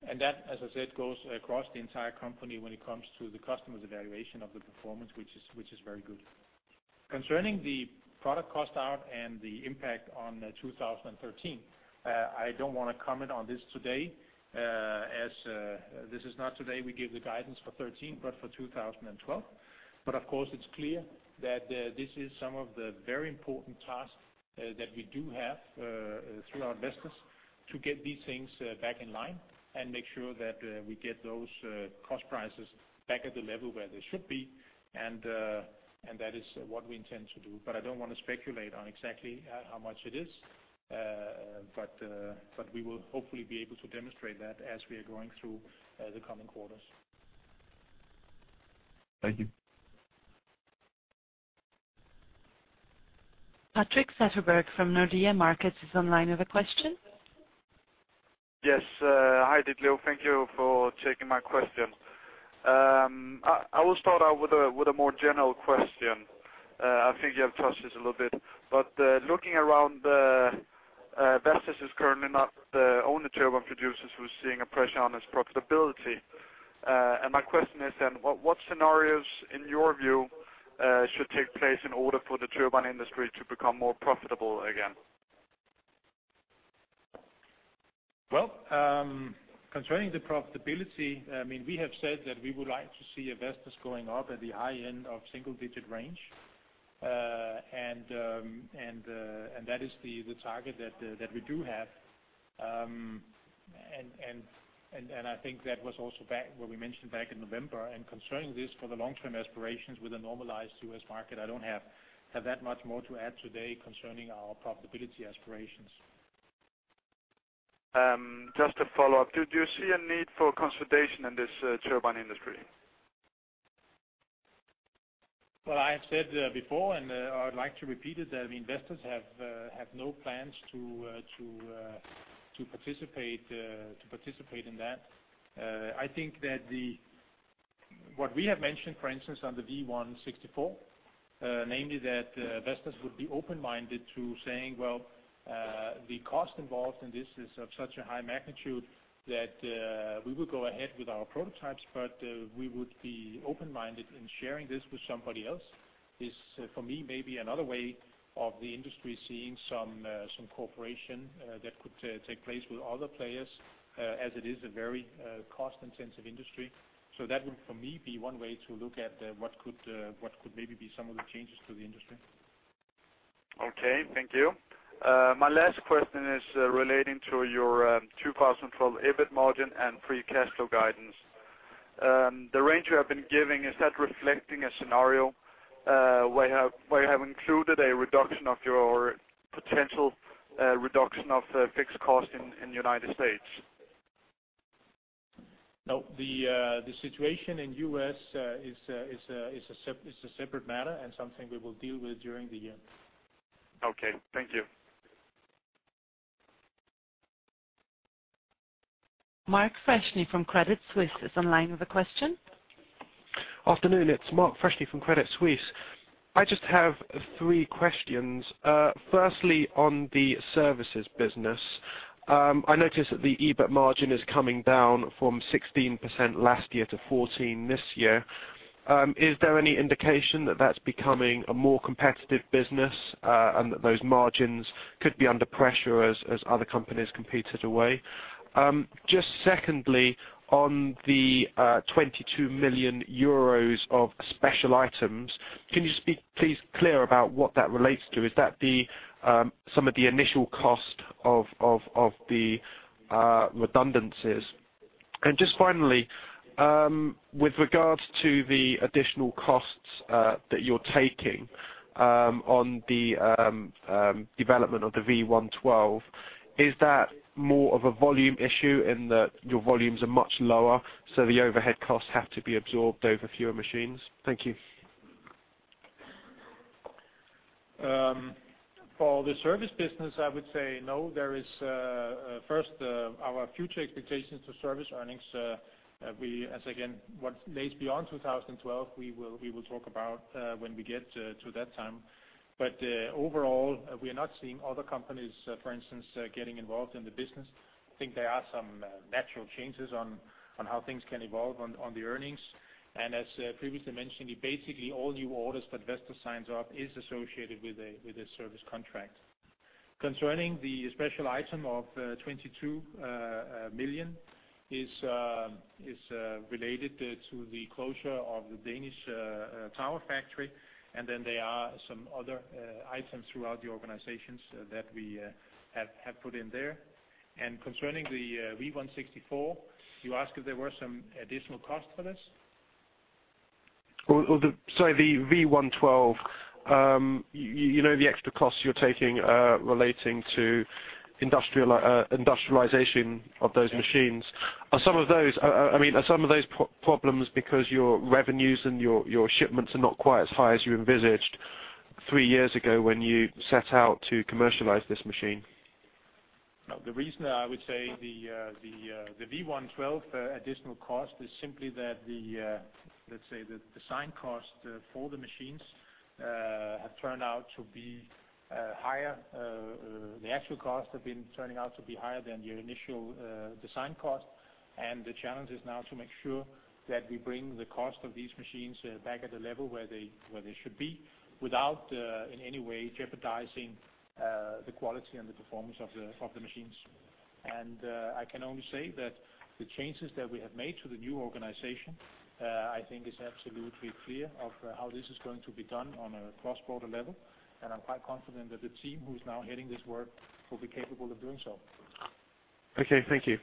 And that, as I said, goes across the entire company when it comes to the customer's evaluation of the performance, which is very good. Concerning the product cost out and the impact on 2013, I don't want to comment on this today, as this is not today we give the guidance for 2013, but for 2012. But of course, it's clear that this is some of the very important tasks that we do have through our investors to get these things back in line and make sure that we get those cost prices back at the level where they should be. And that is what we intend to do. But I don't want to speculate on exactly how much it is. But we will hopefully be able to demonstrate that as we are going through the coming quarters. Thank you. Patrik Setterberg from Nordea Markets is online with a question. Yes, hi, Ditlev. Thank you for taking my question. I will start out with a more general question. I think you have touched this a little bit, but looking around, Vestas is currently not the only turbine producers who are seeing a pressure on its profitability. And my question is then, what scenarios, in your view, should take place in order for the turbine industry to become more profitable again? Well, concerning the profitability, I mean, we have said that we would like to see investors going up at the high end of single-digit range. And that is the target that we do have. I think that was also back what we mentioned back in November. Concerning this, for the long-term aspirations with a normalized U.S. market, I don't have that much more to add today concerning our profitability aspirations. Just a follow-up. Do you see a need for consolidation in this turbine industry? Well, I have said before, and I would like to repeat it, that investors have no plans to participate in that. I think that what we have mentioned, for instance, on the V164, namely that Vestas would be open-minded to saying, "Well, the cost involved in this is of such a high magnitude that we will go ahead with our prototypes, but we would be open-minded in sharing this with somebody else," is, for me, maybe another way of the industry seeing some cooperation that could take place with other players, as it is a very cost-intensive industry. So that would, for me, be one way to look at what could maybe be some of the changes to the industry.... Okay, thank you. My last question is relating to your 2012 EBIT margin and free cash flow guidance. The range you have been giving, is that reflecting a scenario where you have included a reduction of your potential reduction of fixed costs in United States? No, the situation in U.S. is a separate matter and something we will deal with during the year. Okay, thank you. Mark Freshney from Credit Suisse is online with a question. Afternoon, it's Mark Freshney from Credit Suisse. I just have three questions. Firstly, on the services business, I noticed that the EBIT margin is coming down from 16% last year to 14% this year. Is there any indication that that's becoming a more competitive business, and that those margins could be under pressure as other companies compete it away? Just secondly, on the 22 million euros of special items, can you speak please clear about what that relates to? Is that some of the initial cost of the redundancies? And just finally, with regards to the additional costs that you're taking on the development of the V112, is that more of a volume issue in that your volumes are much lower, so the overhead costs have to be absorbed over fewer machines? Thank you. For the service business, I would say no, there is, first, our future expectations to service earnings, we as again, what lays beyond 2012, we will talk about when we get to that time. But overall, we are not seeing other companies, for instance, getting involved in the business. I think there are some natural changes on how things can evolve on the earnings. And as previously mentioned, basically all new orders that Vestas signs off is associated with a service contract. Concerning the special item of 22 million, is related to the closure of the Danish tower factory, and then there are some other items throughout the organizations that we have put in there. Concerning the V164, you ask if there were some additional costs for this? Well, sorry, the V112, you know, the extra costs you're taking relating to industrialization of those machines. Are some of those, I mean, are some of those problems because your revenues and your shipments are not quite as high as you envisaged three years ago when you set out to commercialize this machine? No, the reason I would say the V112 additional cost is simply that the, let's say, the design cost for the machines have turned out to be higher. The actual costs have been turning out to be higher than the initial design cost. The challenge is now to make sure that we bring the cost of these machines back at the level where they should be, without in any way jeopardizing the quality and the performance of the machines. I can only say that the changes that we have made to the new organization, I think, is absolutely clear of how this is going to be done on a cross-border level. I'm quite confident that the team who is now heading this work will be capable of doing so. Okay, thank you.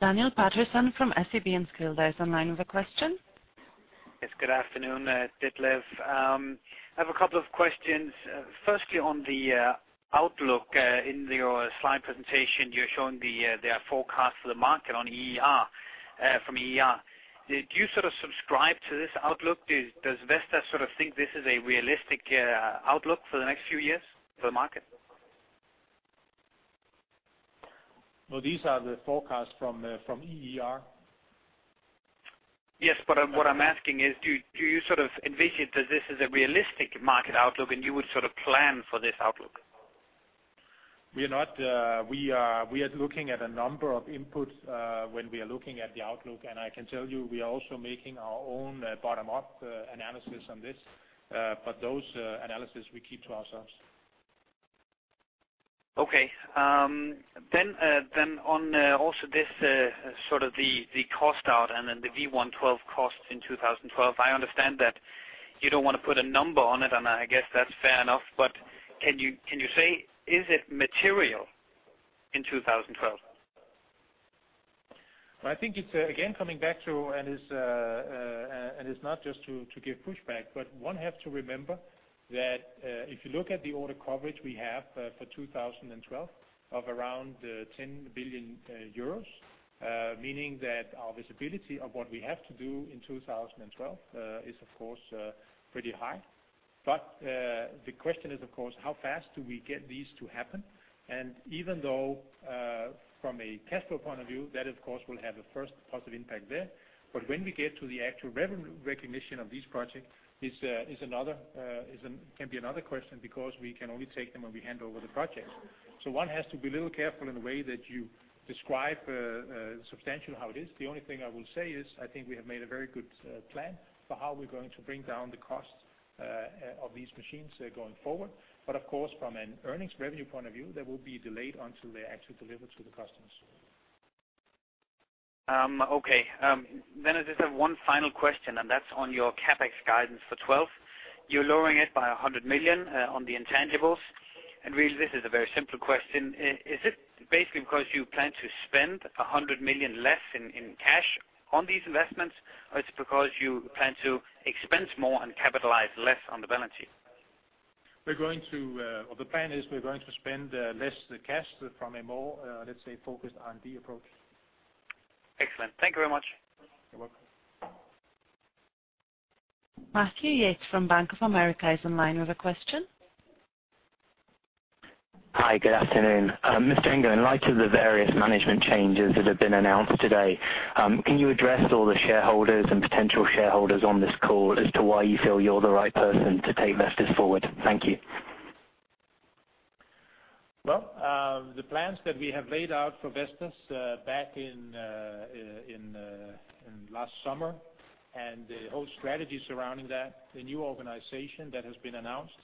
Daniel Patterson from SEB Enskilda is online with a question. Yes, good afternoon, Ditlev. I have a couple of questions. Firstly, on the outlook, in your slide presentation, you're showing there are forecasts for the market on EER from EER. Did you sort of subscribe to this outlook? Does Vestas sort of think this is a realistic outlook for the next few years for the market? Well, these are the forecasts from EER. Yes, but what I'm asking is, do you sort of envision that this is a realistic market outlook, and you would sort of plan for this outlook? We are not, we are looking at a number of inputs, when we are looking at the outlook, and I can tell you, we are also making our own bottom-up analysis on this, but those analysis we keep to ourselves. Okay, then on also this sort of the cost out and then the V112 costs in 2012, I understand that you don't want to put a number on it, and I guess that's fair enough. But can you say, is it material in 2012? I think it's, again, coming back to, and it's not just to give pushback, but one have to remember that if you look at the order coverage we have for 2012 of around 10 billion euros, meaning that our visibility of what we have to do in 2012 is of course pretty high. But the question is, of course, how fast do we get these to happen? And even though from a cash flow point of view, that of course will have a first positive impact there. But when we get to the actual revenue recognition of this project is can be another question, because we can only take them when we hand over the projects. One has to be a little careful in the way that you describe substantial, how it is. The only thing I will say is I think we have made a very good plan for how we're going to bring down the cost of these machines going forward. But of course, from an earnings revenue point of view, that will be delayed until they're actually delivered to the customers.... Okay. Then I just have one final question, and that's on your CapEx guidance for 2012. You're lowering it by 100 million on the intangibles. Really, this is a very simple question. Is it basically because you plan to spend 100 million less in cash on these investments, or it's because you plan to expense more and capitalize less on the balance sheet? We're going to... Well, the plan is we're going to spend less the cash from a more, let's say, focused R&D approach. Excellent. Thank you very much. You're welcome. Matthew Yates from Bank of America is online with a question. Hi, good afternoon. Mr. Engel, in light of the various management changes that have been announced today, can you address all the shareholders and potential shareholders on this call as to why you feel you're the right person to take Vestas forward? Thank you. Well, the plans that we have laid out for Vestas, back in last summer, and the whole strategy surrounding that, the new organization that has been announced,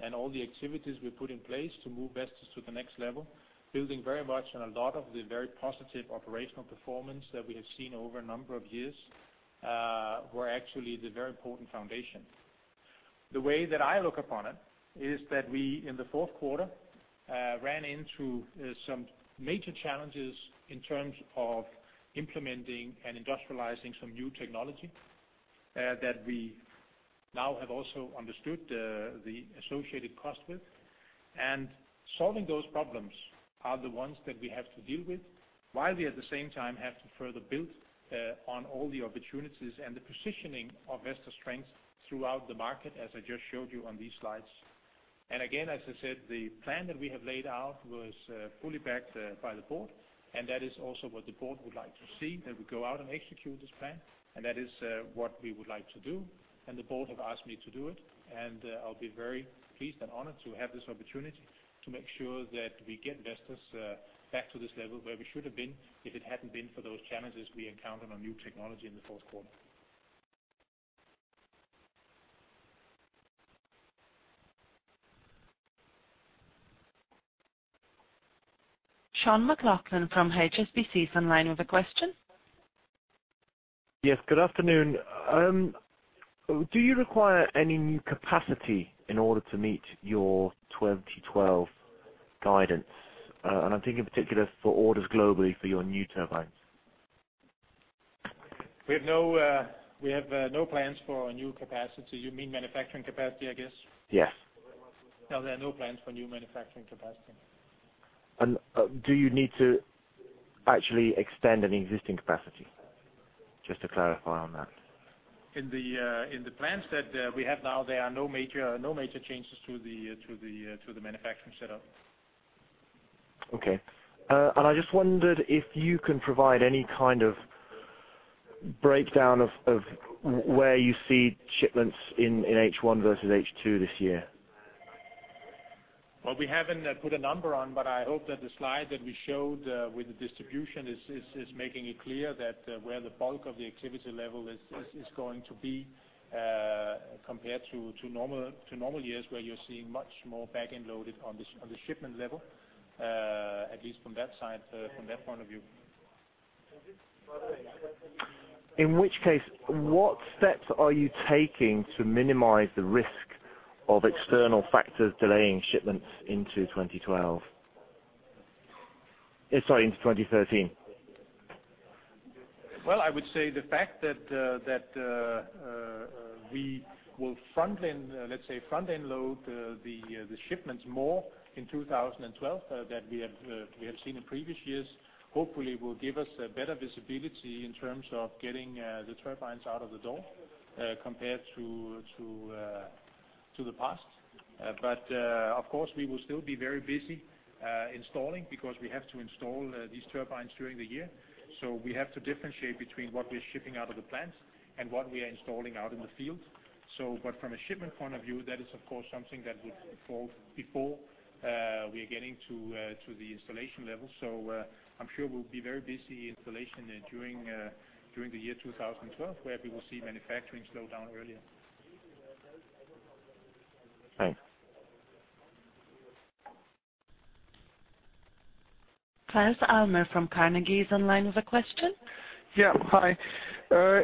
and all the activities we put in place to move Vestas to the next level, building very much on a lot of the very positive operational performance that we have seen over a number of years, were actually the very important foundation. The way that I look upon it is that we, in the fourth quarter, ran into some major challenges in terms of implementing and industrializing some new technology, that we now have also understood, the associated cost with. Solving those problems are the ones that we have to deal with, while we, at the same time, have to further build on all the opportunities and the positioning of Vestas' strength throughout the market, as I just showed you on these slides. Again, as I said, the plan that we have laid out was fully backed by the board, and that is also what the board would like to see, that we go out and execute this plan. That is what we would like to do, and the board have asked me to do it. I'll be very pleased and honored to have this opportunity to make sure that we get Vestas back to this level where we should have been, if it hadn't been for those challenges we encountered on new technology in the fourth quarter. Sean McLoughlin from HSBC is online with a question. Yes, good afternoon. Do you require any new capacity in order to meet your 2012 guidance? And I'm thinking in particular for orders globally for your new turbines. We have no plans for a new capacity. You mean manufacturing capacity, I guess? Yes. No, there are no plans for new manufacturing capacity. Do you need to actually extend any existing capacity? Just to clarify on that. In the plans that we have now, there are no major changes to the manufacturing setup. Okay. And I just wondered if you can provide any kind of breakdown of where you see shipments in H1 versus H2 this year? Well, we haven't put a number on, but I hope that the slide that we showed with the distribution is making it clear that where the bulk of the activity level is going to be compared to normal years, where you're seeing much more back-end loaded on the shipment level, at least from that side, from that point of view. In which case, what steps are you taking to minimize the risk of external factors delaying shipments into 2012? Sorry, into 2013. Well, I would say the fact that we will front-end, let's say, front-end load the shipments more in 2012 than we have seen in previous years, hopefully will give us a better visibility in terms of getting the turbines out of the door compared to the past. But of course, we will still be very busy installing, because we have to install these turbines during the year. So we have to differentiate between what we're shipping out of the plants and what we are installing out in the field. So but from a shipment point of view, that is, of course, something that would fall before we are getting to the installation level. So, I'm sure we'll be very busy installation during the year 2012, where we will see manufacturing slow down earlier. Thanks. Claus Almer from Carnegie is online with a question. Yeah, hi.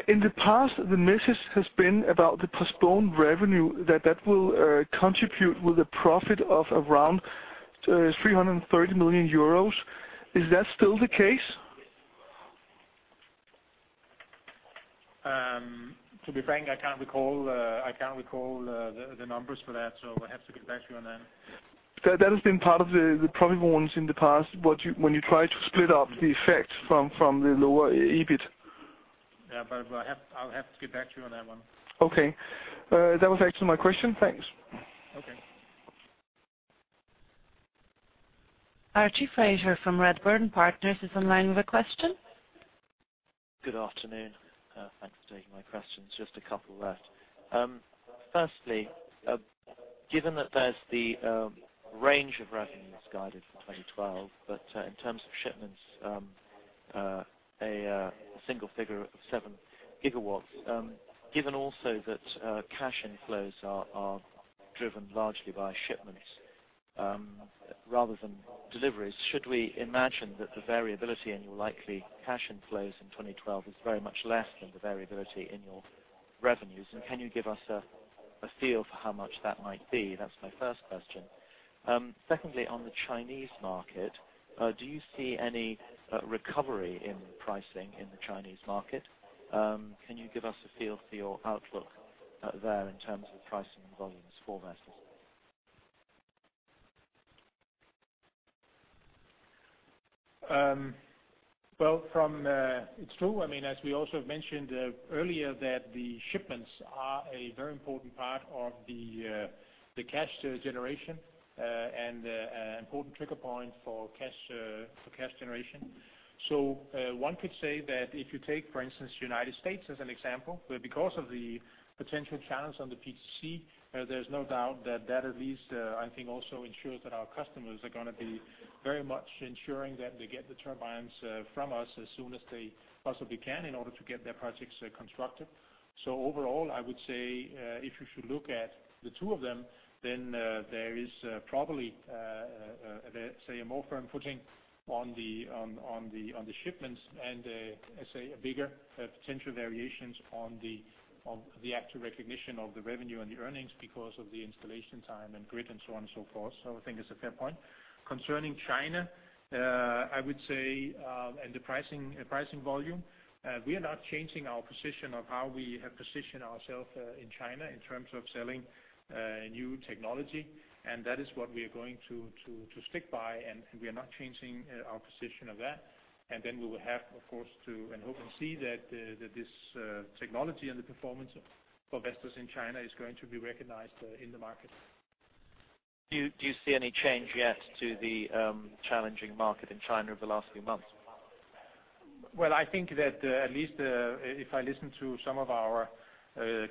In the past, the message has been about the postponed revenue, that that will contribute with a profit of around 330 million euros. Is that still the case? To be frank, I can't recall the numbers for that, so I have to get back to you on that. That has been part of the profit warnings in the past, when you try to split up the effect from the lower EBIT. Yeah, but I have, I'll have to get back to you on that one. Okay. That was actually my question. Thanks. Okay. Archie Fraser from Redburn Partners is online with a question. Good afternoon. Thanks for taking my questions. Just a couple left. Firstly, given that there's the range of revenues guided for 2012, but in terms of shipments, a single figure of 7 gigawatts, given also that cash inflows are driven largely by shipments rather than deliveries, should we imagine that the variability in your likely cash inflows in 2012 is very much less than the variability in your revenues? And can you give us a feel for how much that might be? That's my first question. Secondly, on the Chinese market, do you see any recovery in pricing in the Chinese market? Can you give us a feel for your outlook there in terms of pricing and volumes for Vestas? Well, it's true. I mean, as we also have mentioned earlier, that the shipments are a very important part of the cash generation, and an important trigger point for cash generation. So, one could say that if you take, for instance, United States as an example, where because of the potential challenge on the PTC, there's no doubt that that at least, I think also ensures that our customers are gonna be very much ensuring that they get the turbines from us as soon as they possibly can, in order to get their projects constructed. So overall, I would say, if you should look at the two of them, then there is probably, let's say, a more firm footing on the shipments and, let's say, a bigger potential variations on the actual recognition of the revenue and the earnings because of the installation time and grid, and so on and so forth. So I think it's a fair point. Concerning China, I would say, and the pricing volume, we are not changing our position of how we have positioned ourselves in China in terms of selling new technology. And that is what we are going to stick by, and we are not changing our position of that. And then we will have, of course, to hope and see that this technology and the performance for Vestas in China is going to be recognized in the market. Do you, do you see any change yet to the challenging market in China over the last few months? Well, I think that at least if I listen to some of our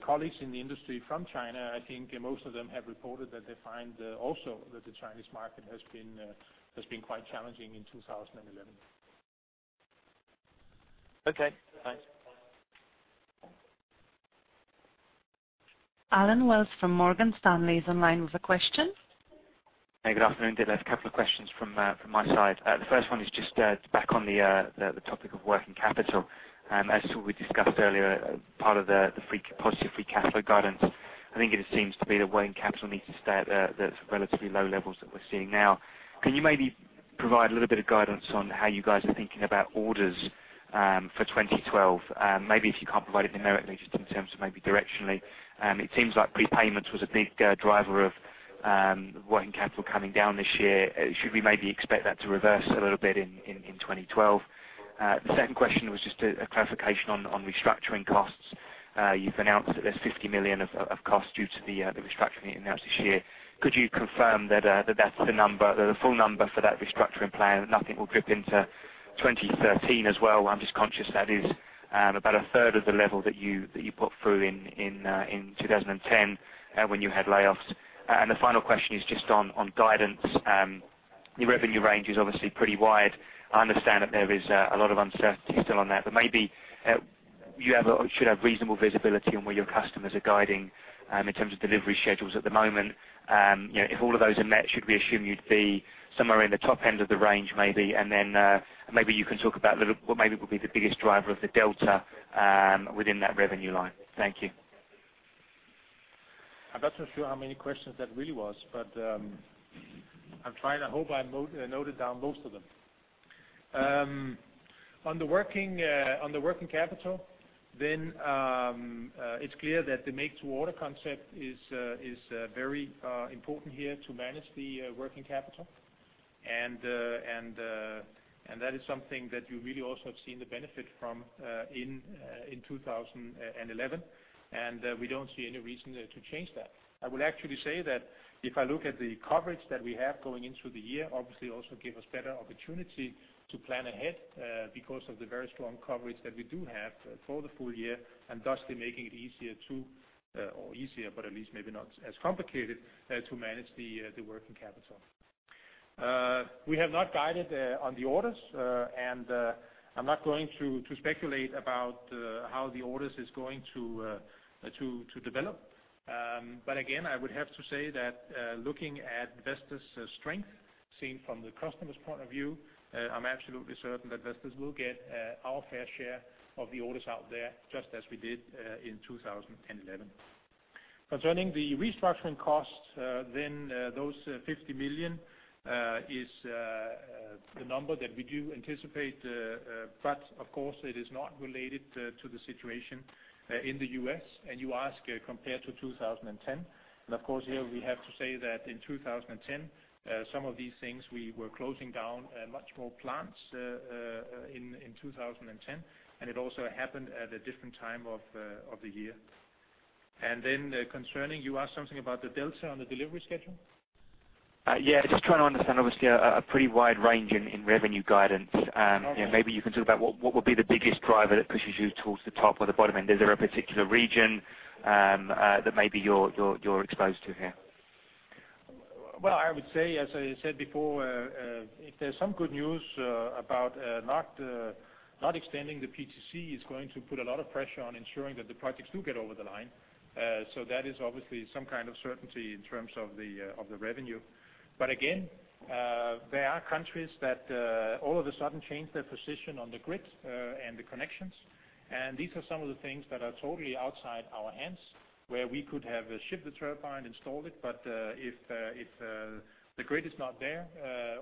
colleagues in the industry from China, I think most of them have reported that they find also that the Chinese market has been quite challenging in 2011. Okay, thanks. Allen Wells from Morgan Stanley is online with a question. Hey, good afternoon. Did have a couple of questions from, from my side. The first one is just, back on the, the topic of working capital. As we discussed earlier, part of the, the positive free cash flow guidance, I think it seems to be that working capital needs to stay at the, the relatively low levels that we're seeing now. Can you maybe provide a little bit of guidance on how you guys are thinking about orders, for 2012? Maybe if you can't provide it numerically, just in terms of maybe directionally. It seems like prepayments was a big, driver of, working capital coming down this year. Should we maybe expect that to reverse a little bit in, in, in 2012? The second question was just a, a clarification on, on restructuring costs. You've announced that there's 50 million of costs due to the restructuring you announced this year. Could you confirm that that's the number, the full number for that restructuring plan, that nothing will drip into 2013 as well? I'm just conscious that is about a third of the level that you put through in 2010, when you had layoffs. And the final question is just on guidance. Your revenue range is obviously pretty wide. I understand that there is a lot of uncertainty still on that, but maybe you should have reasonable visibility on where your customers are guiding in terms of delivery schedules at the moment. You know, if all of those are met, should we assume you'd be somewhere in the top end of the range, maybe? And then, maybe you can talk about a little, what maybe would be the biggest driver of the delta, within that revenue line. Thank you. I'm not so sure how many questions that really was, but I hope I noted down most of them. On the working capital, then, it's clear that the make to order concept is very important here to manage the working capital. And that is something that you really also have seen the benefit from in 2011. And we don't see any reason to change that. I would actually say that if I look at the coverage that we have going into the year, obviously also give us better opportunity to plan ahead, because of the very strong coverage that we do have for the full year, and thusly making it easier to, or easier, but at least maybe not as complicated, to manage the, the working capital. We have not guided, on the orders, and, I'm not going to, to speculate about, how the orders is going to, to, to develop. But again, I would have to say that, looking at Vestas' strength, seen from the customer's point of view, I'm absolutely certain that Vestas will get, our fair share of the orders out there, just as we did, in 2011. Concerning the restructuring costs, then, those 50 million is the number that we do anticipate, but of course, it is not related to the situation in the US. You ask compared to 2010, and of course, here we have to say that in 2010, some of these things, we were closing down much more plants in 2010, and it also happened at a different time of the year. Then, concerning, you asked something about the delta on the delivery schedule? Yeah, just trying to understand, obviously, a pretty wide range in revenue guidance. You know, maybe you can talk about what would be the biggest driver that pushes you towards the top or the bottom, and is there a particular region that maybe you're exposed to here? ...Well, I would say, as I said before, if there's some good news about not extending the PTC is going to put a lot of pressure on ensuring that the projects do get over the line. So that is obviously some kind of certainty in terms of the of the revenue. But again, there are countries that all of a sudden change their position on the grid and the connections. And these are some of the things that are totally outside our hands, where we could have shipped the turbine, installed it, but if the grid is not there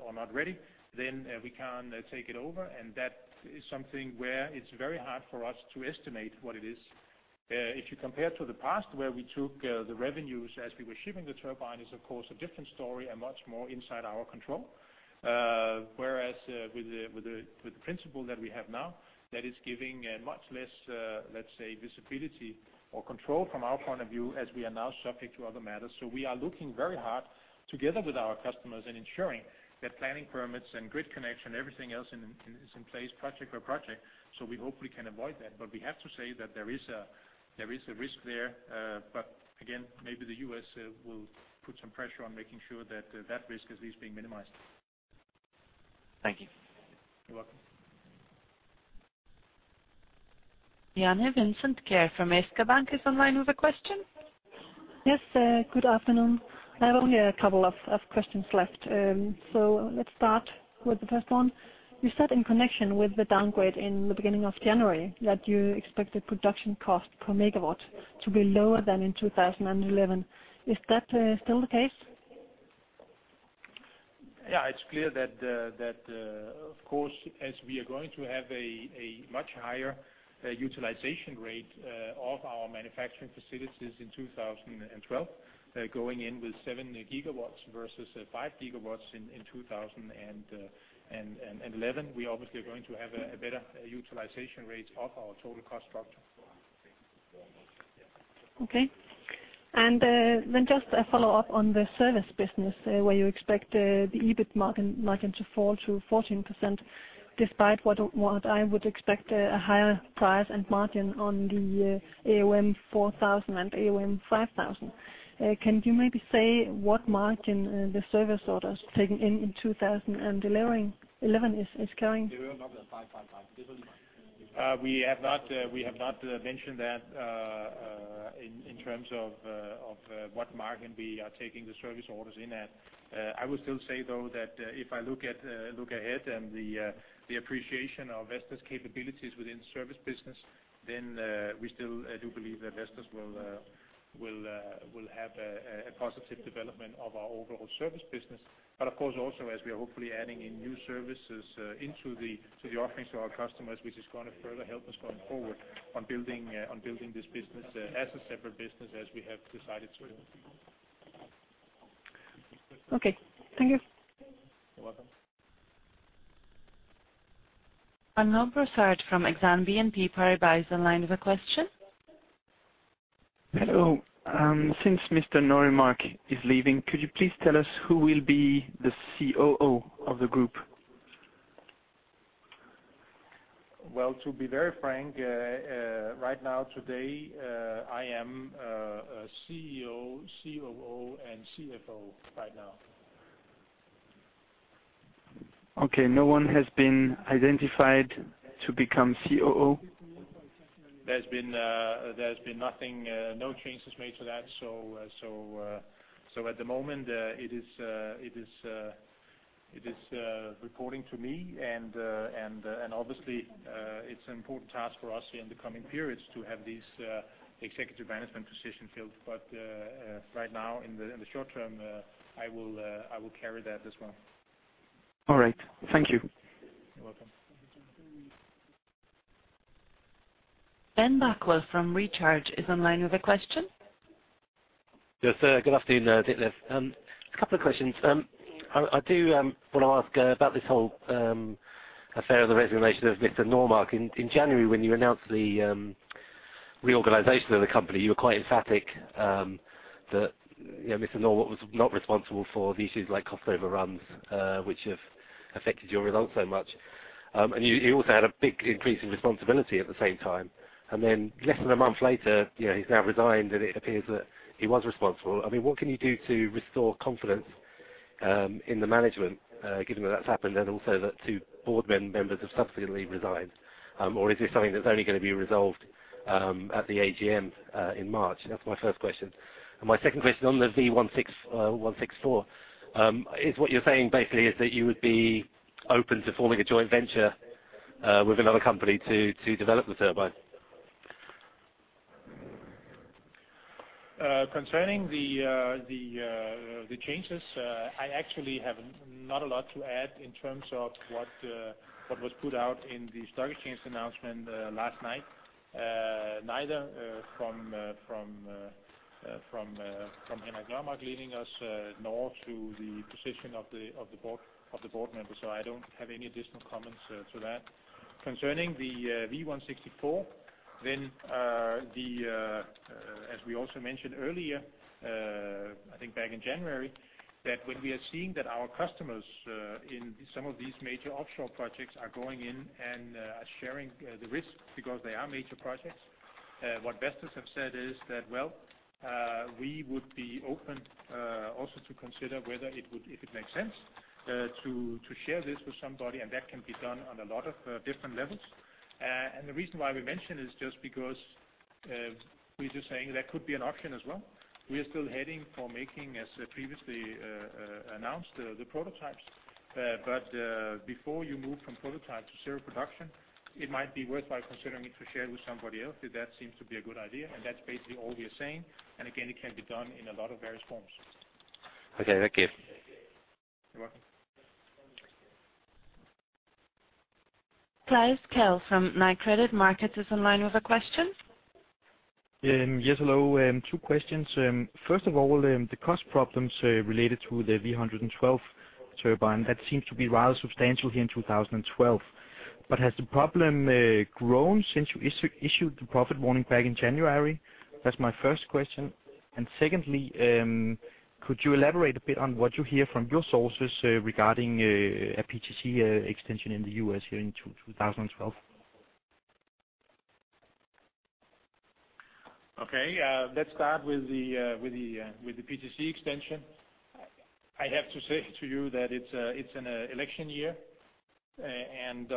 or not ready, then we can't take it over. And that is something where it's very hard for us to estimate what it is. If you compare to the past, where we took the revenues as we were shipping the turbine, it is, of course, a different story and much more inside our control. Whereas with the principle that we have now, that is giving a much less, let's say, visibility or control from our point of view, as we are now subject to other matters. So we are looking very hard together with our customers and ensuring that planning permits and grid connection, everything else, is in place, project by project, so we hope we can avoid that. But we have to say that there is a risk there, but again, maybe the U.S. will put some pressure on making sure that that risk is at least being minimized. Thank you. You're welcome. Janne Vincent Kjær from Jyske Bank is online with a question. Yes, good afternoon. I have only a couple of questions left. So let's start with the first one. You said in connection with the downgrade in the beginning of January, that you expect the production cost per megawatt to be lower than in 2011. Is that still the case? Yeah, it's clear that of course, as we are going to have a much higher utilization rate of our manufacturing facilities in 2012, going in with 7 gigawatts versus 5 gigawatts in 2011. We obviously are going to have a better utilization rate of our total cost structure. Okay. And then just a follow-up on the service business, where you expect the EBIT margin to fall to 14%, despite what I would expect a higher price and margin on the AOM 4000 and AOM 5000. Can you maybe say what margin the service orders taken in 2011 is carrying? We have not mentioned that in terms of what margin we are taking the service orders in at. I would still say, though, that if I look ahead and the appreciation of Vestas capabilities within the service business, then we still do believe that Vestas will have a positive development of our overall service business. But of course, also, as we are hopefully adding in new services into the offerings to our customers, which is going to further help us going forward on building this business as a separate business, as we have decided to. Okay. Thank you. You're welcome. Arnaud Brossard from Exane BNP Paribas is online with a question. Hello, since Mr. Nørremark is leaving, could you please tell us who will be the COO of the group? Well, to be very frank, right now, today, I am CEO, COO, and CFO right now. Okay, no one has been identified to become COO? There's been nothing, no changes made to that. So, at the moment, it is reporting to me, and obviously, it's an important task for us in the coming periods to have these executive management positions filled. But, right now, in the short term, I will carry that as well. All right. Thank you. You're welcome. Ben Backwell from Recharge is online with a question. Yes, sir. Good afternoon, Ditlev. A couple of questions. I do want to ask about this whole affair of the resignation of Mr. Nørremark. In January, when you announced the reorganization of the company, you were quite emphatic that, you know, Mr. Nørremark was not responsible for the issues like cost overruns, which have affected your results so much. And he also had a big increase in responsibility at the same time. And then less than a month later, you know, he's now resigned, and it appears that he was responsible. I mean, what can you do to restore confidence in the management given that that's happened, and also that two board members have subsequently resigned? Or is this something that's only going to be resolved at the AGM in March? That's my first question. My second question on the V164 is what you're saying basically is that you would be open to forming a joint venture with another company to develop the turbine? Concerning the changes, I actually have not a lot to add in terms of what was put out in the stock exchange announcement last night. Neither from Henrik Nørremark leaving us, nor to the position of the board members. So I don't have any additional comments to that. Concerning the V164, then, as we also mentioned earlier, I think back in January, that when we are seeing that our customers in some of these major offshore projects are going in and sharing the risk because they are major projects-... What Vestas have said is that, well, we would be open also to consider whether it would, if it makes sense, to share this with somebody, and that can be done on a lot of different levels. And the reason why we mention is just because, we're just saying that could be an option as well. We are still heading for making, as previously announced, the prototypes. But, before you move from prototype to serial production, it might be worthwhile considering it to share with somebody else, if that seems to be a good idea, and that's basically all we are saying, and again, it can be done in a lot of various forms. Okay, thank you. You're welcome. Klaus Kehl from Nykredit Markets is on the line with a question. Yes, hello. Two questions. First of all, the cost problems related to the V112 turbine, that seems to be rather substantial here in 2012. But has the problem grown since you issued the profit warning back in January? That's my first question. And secondly, could you elaborate a bit on what you hear from your sources regarding a PTC extension in the US here in 2012? Okay, let's start with the PTC extension. I have to say to you that it's an election year, and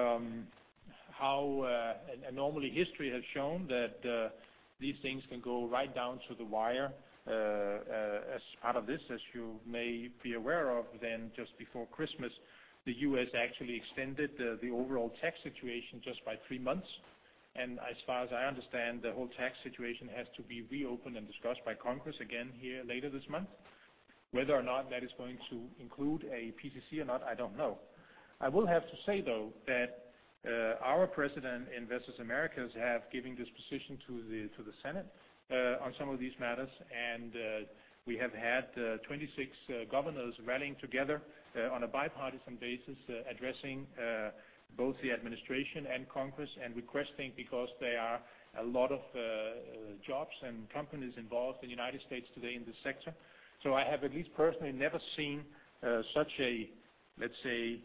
normally history has shown that these things can go right down to the wire. As part of this, as you may be aware of, then just before Christmas, the U.S. actually extended the overall tax situation just by three months. And as far as I understand, the whole tax situation has to be reopened and discussed by Congress again here later this month. Whether or not that is going to include a PTC or not, I don't know. I will have to say, though, that our president and Vestas Americas have given this position to the Senate on some of these matters, and we have had 26 governors rallying together on a bipartisan basis, addressing both the administration and Congress, and requesting, because there are a lot of jobs and companies involved in the United States today in this sector. So I have at least personally never seen such a, let's say,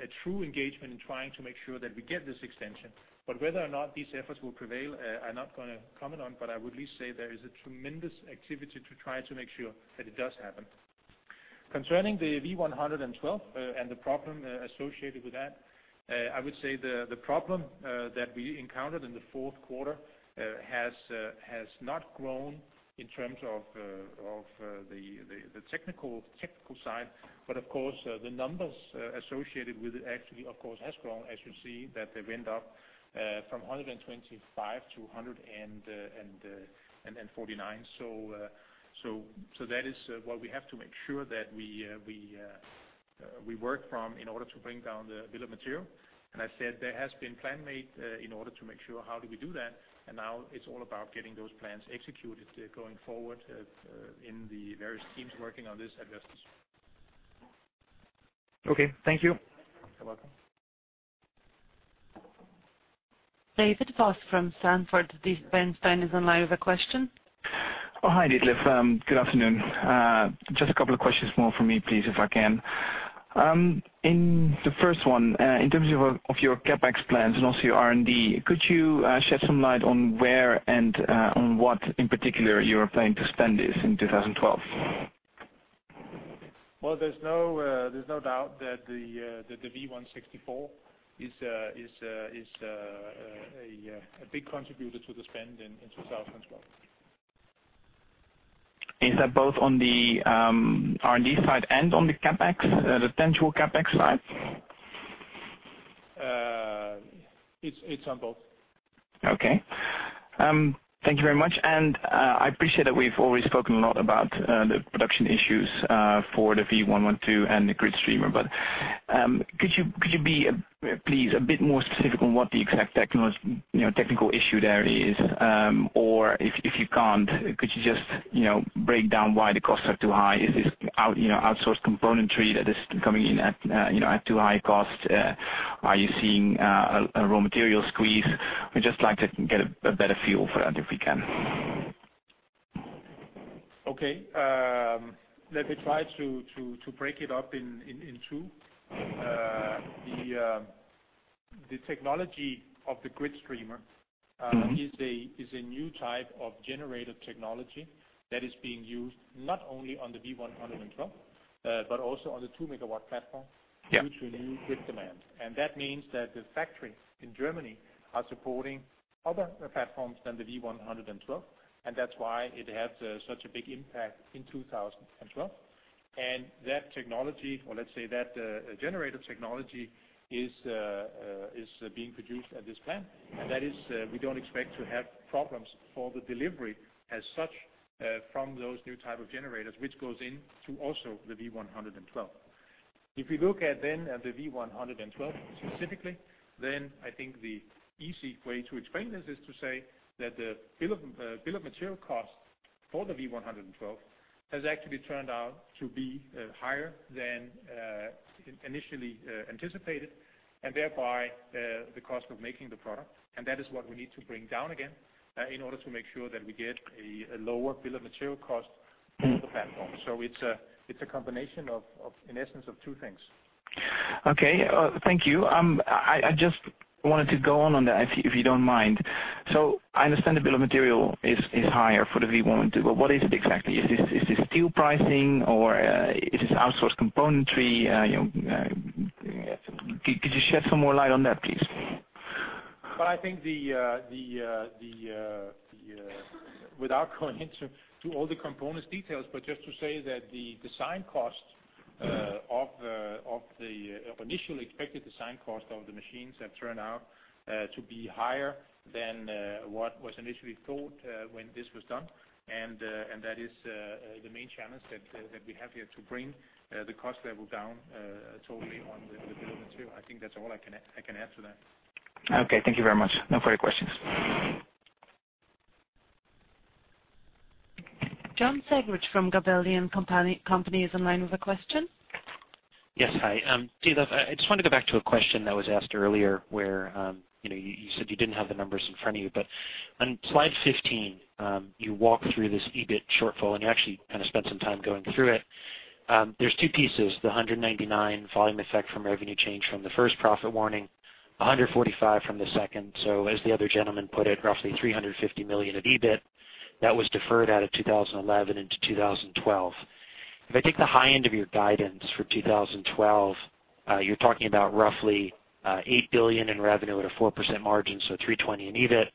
a true engagement in trying to make sure that we get this extension. But whether or not these efforts will prevail, I'm not gonna comment on, but I would at least say there is a tremendous activity to try to make sure that it does happen. Concerning the V112 and the problem associated with that, I would say the problem that we encountered in the fourth quarter has not grown in terms of the technical side. But of course, the numbers associated with it actually of course has grown, as you see, that they went up from 125 to 149. So that is what we have to make sure that we work from in order to bring down the bill of material. I said there has been plan made in order to make sure how do we do that, and now it's all about getting those plans executed going forward in the various teams working on this at Vestas. Okay, thank you. You're welcome. David Vos from Sanford C. Bernstein is on line with a question. Oh, hi, Ditlev. Good afternoon. Just a couple of questions more from me, please, if I can. In the first one, in terms of your CapEx plans and also your R&D, could you shed some light on where and on what in particular you are planning to spend this in 2012? Well, there's no doubt that the V164 is a big contributor to the spend in 2012. Is that both on the R&D side and on the CapEx, the potential CapEx side? It's on both. Okay. Thank you very much. And I appreciate that we've already spoken a lot about the production issues for the V112 and the GridStreamer. But could you be, please, a bit more specific on what the exact technical issue there is? Or if you can't, could you just, you know, break down why the costs are too high? Is this out, you know, outsourced componentry that is coming in at, you know, at too high a cost? Are you seeing a raw material squeeze? We'd just like to get a better feel for that, if we can. Okay, let me try to break it up in two. The technology of the GridStreamer- Mm-hmm. is a new type of generator technology that is being used not only on the V112, but also on the 2 MW platform- Yeah... due to a new grid demand. And that means that the factories in Germany are supporting other platforms than the V112, and that's why it has such a big impact in 2012. And that technology, or let's say that generator technology, is being produced at this plant. And that is, we don't expect to have problems for the delivery as such from those new type of generators, which goes in to also the V112. If you look at then at the V112 specifically, then I think the easy way to explain this is to say that the bill of material cost for the V112 has actually turned out to be higher than initially anticipated, and thereby the cost of making the product. And that is what we need to bring down again, in order to make sure that we get a lower bill of material cost... the platform. So it's a combination of, in essence, two things. Okay, thank you. I just wanted to go on that, if you don't mind. So I understand the bill of material is higher for the V112, but what is it exactly? Is this steel pricing or is this outsourced componentry? You know, could you shed some more light on that, please? Well, I think without going into all the components details, but just to say that the design cost of the initial expected design cost of the machines have turned out to be higher than what was initially thought when this was done. And that is the main challenge that we have here, to bring the cost level down totally on the bill of material. I think that's all I can add, I can add to that. Okay, thank you very much. No further questions. John Segrich from Gabelli & Company is online with a question. Yes. Hi, Ditlev, I just want to go back to a question that was asked earlier, where, you know, you said you didn't have the numbers in front of you. But on slide 15, you walk through this EBIT shortfall, and you actually kind of spent some time going through it. There's two pieces, the 199 volume effect from revenue change from the first profit warning, 145 from the second. So as the other gentleman put it, roughly 350 million of EBIT that was deferred out of 2011 into 2012. If I take the high end of your guidance for 2012, you're talking about roughly, 8 billion in revenue at a 4% margin, so 320 million in EBIT.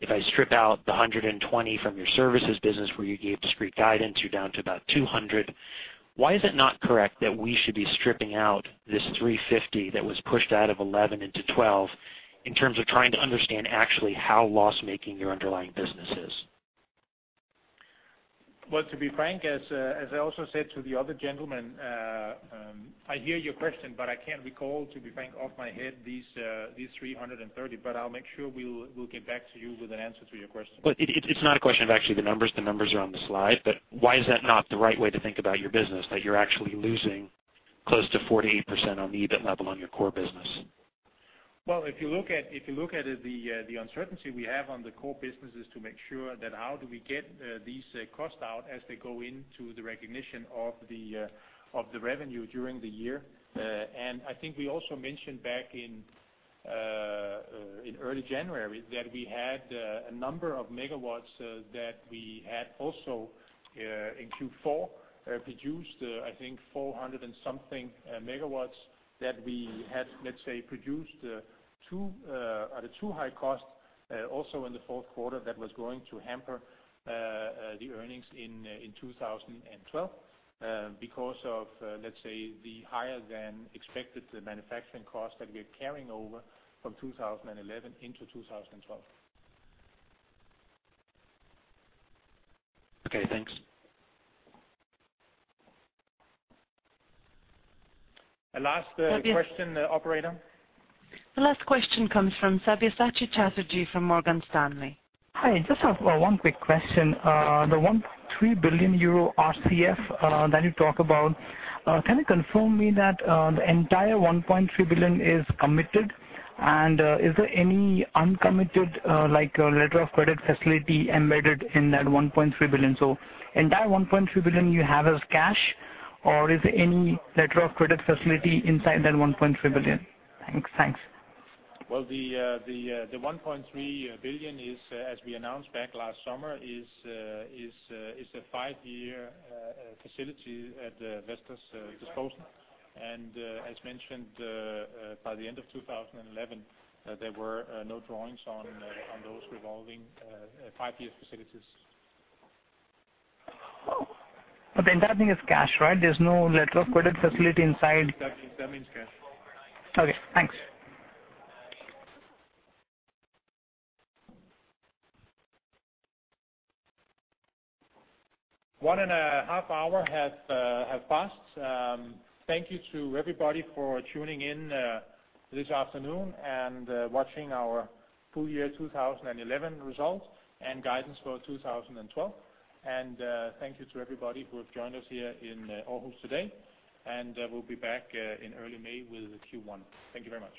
If I strip out the 120 from your services business, where you gave discrete guidance, you're down to about 200. Why is it not correct that we should be stripping out this 350 that was pushed out of 2011 into 2012, in terms of trying to understand actually how loss-making your underlying business is? Well, to be frank, as I also said to the other gentleman, I hear your question, but I can't recall, to be frank, off my head, these 330. But I'll make sure we'll get back to you with an answer to your question. But it's not a question of actually the numbers, the numbers are on the slide, but why is that not the right way to think about your business? That you're actually losing close to 48% on the EBIT level on your core business. Well, if you look at it, the uncertainty we have on the core business is to make sure that how do we get these costs out as they go into the recognition of the revenue during the year. And I think we also mentioned back in early January that we had a number of megawatts that we had also in Q4 produced, I think 400-something megawatts that we had, let's say, produced too at a too high cost also in the fourth quarter, that was going to hamper the earnings in 2012. Because of, let's say, the higher than expected manufacturing costs that we're carrying over from 2011 into 2012. Okay, thanks. The last question, operator? The last question comes from Savyasachi Chatterjee from Morgan Stanley. Hi, just one quick question. The 1.3 billion euro RCF that you talk about, can you confirm me that the entire 1.3 billion is committed? And, is there any uncommitted, like, letter of credit facility embedded in that 1.3 billion? So entire 1.3 billion you have as cash, or is there any letter of credit facility inside that 1.3 billion? Thanks, thanks. Well, the 1.3 billion is, as we announced back last summer, a five-year facility at Vestas' disposal. And as mentioned, by the end of 2011, there were no drawings on those revolving five-year facilities. But the entire thing is cash, right? There's no letter of credit facility inside. That means cash. Okay, thanks. One and a half hour have passed. Thank you to everybody for tuning in this afternoon and watching our full year 2011 results, and guidance for 2012. Thank you to everybody who have joined us here in Aarhus today, and we'll be back in early May with Q1. Thank you very much.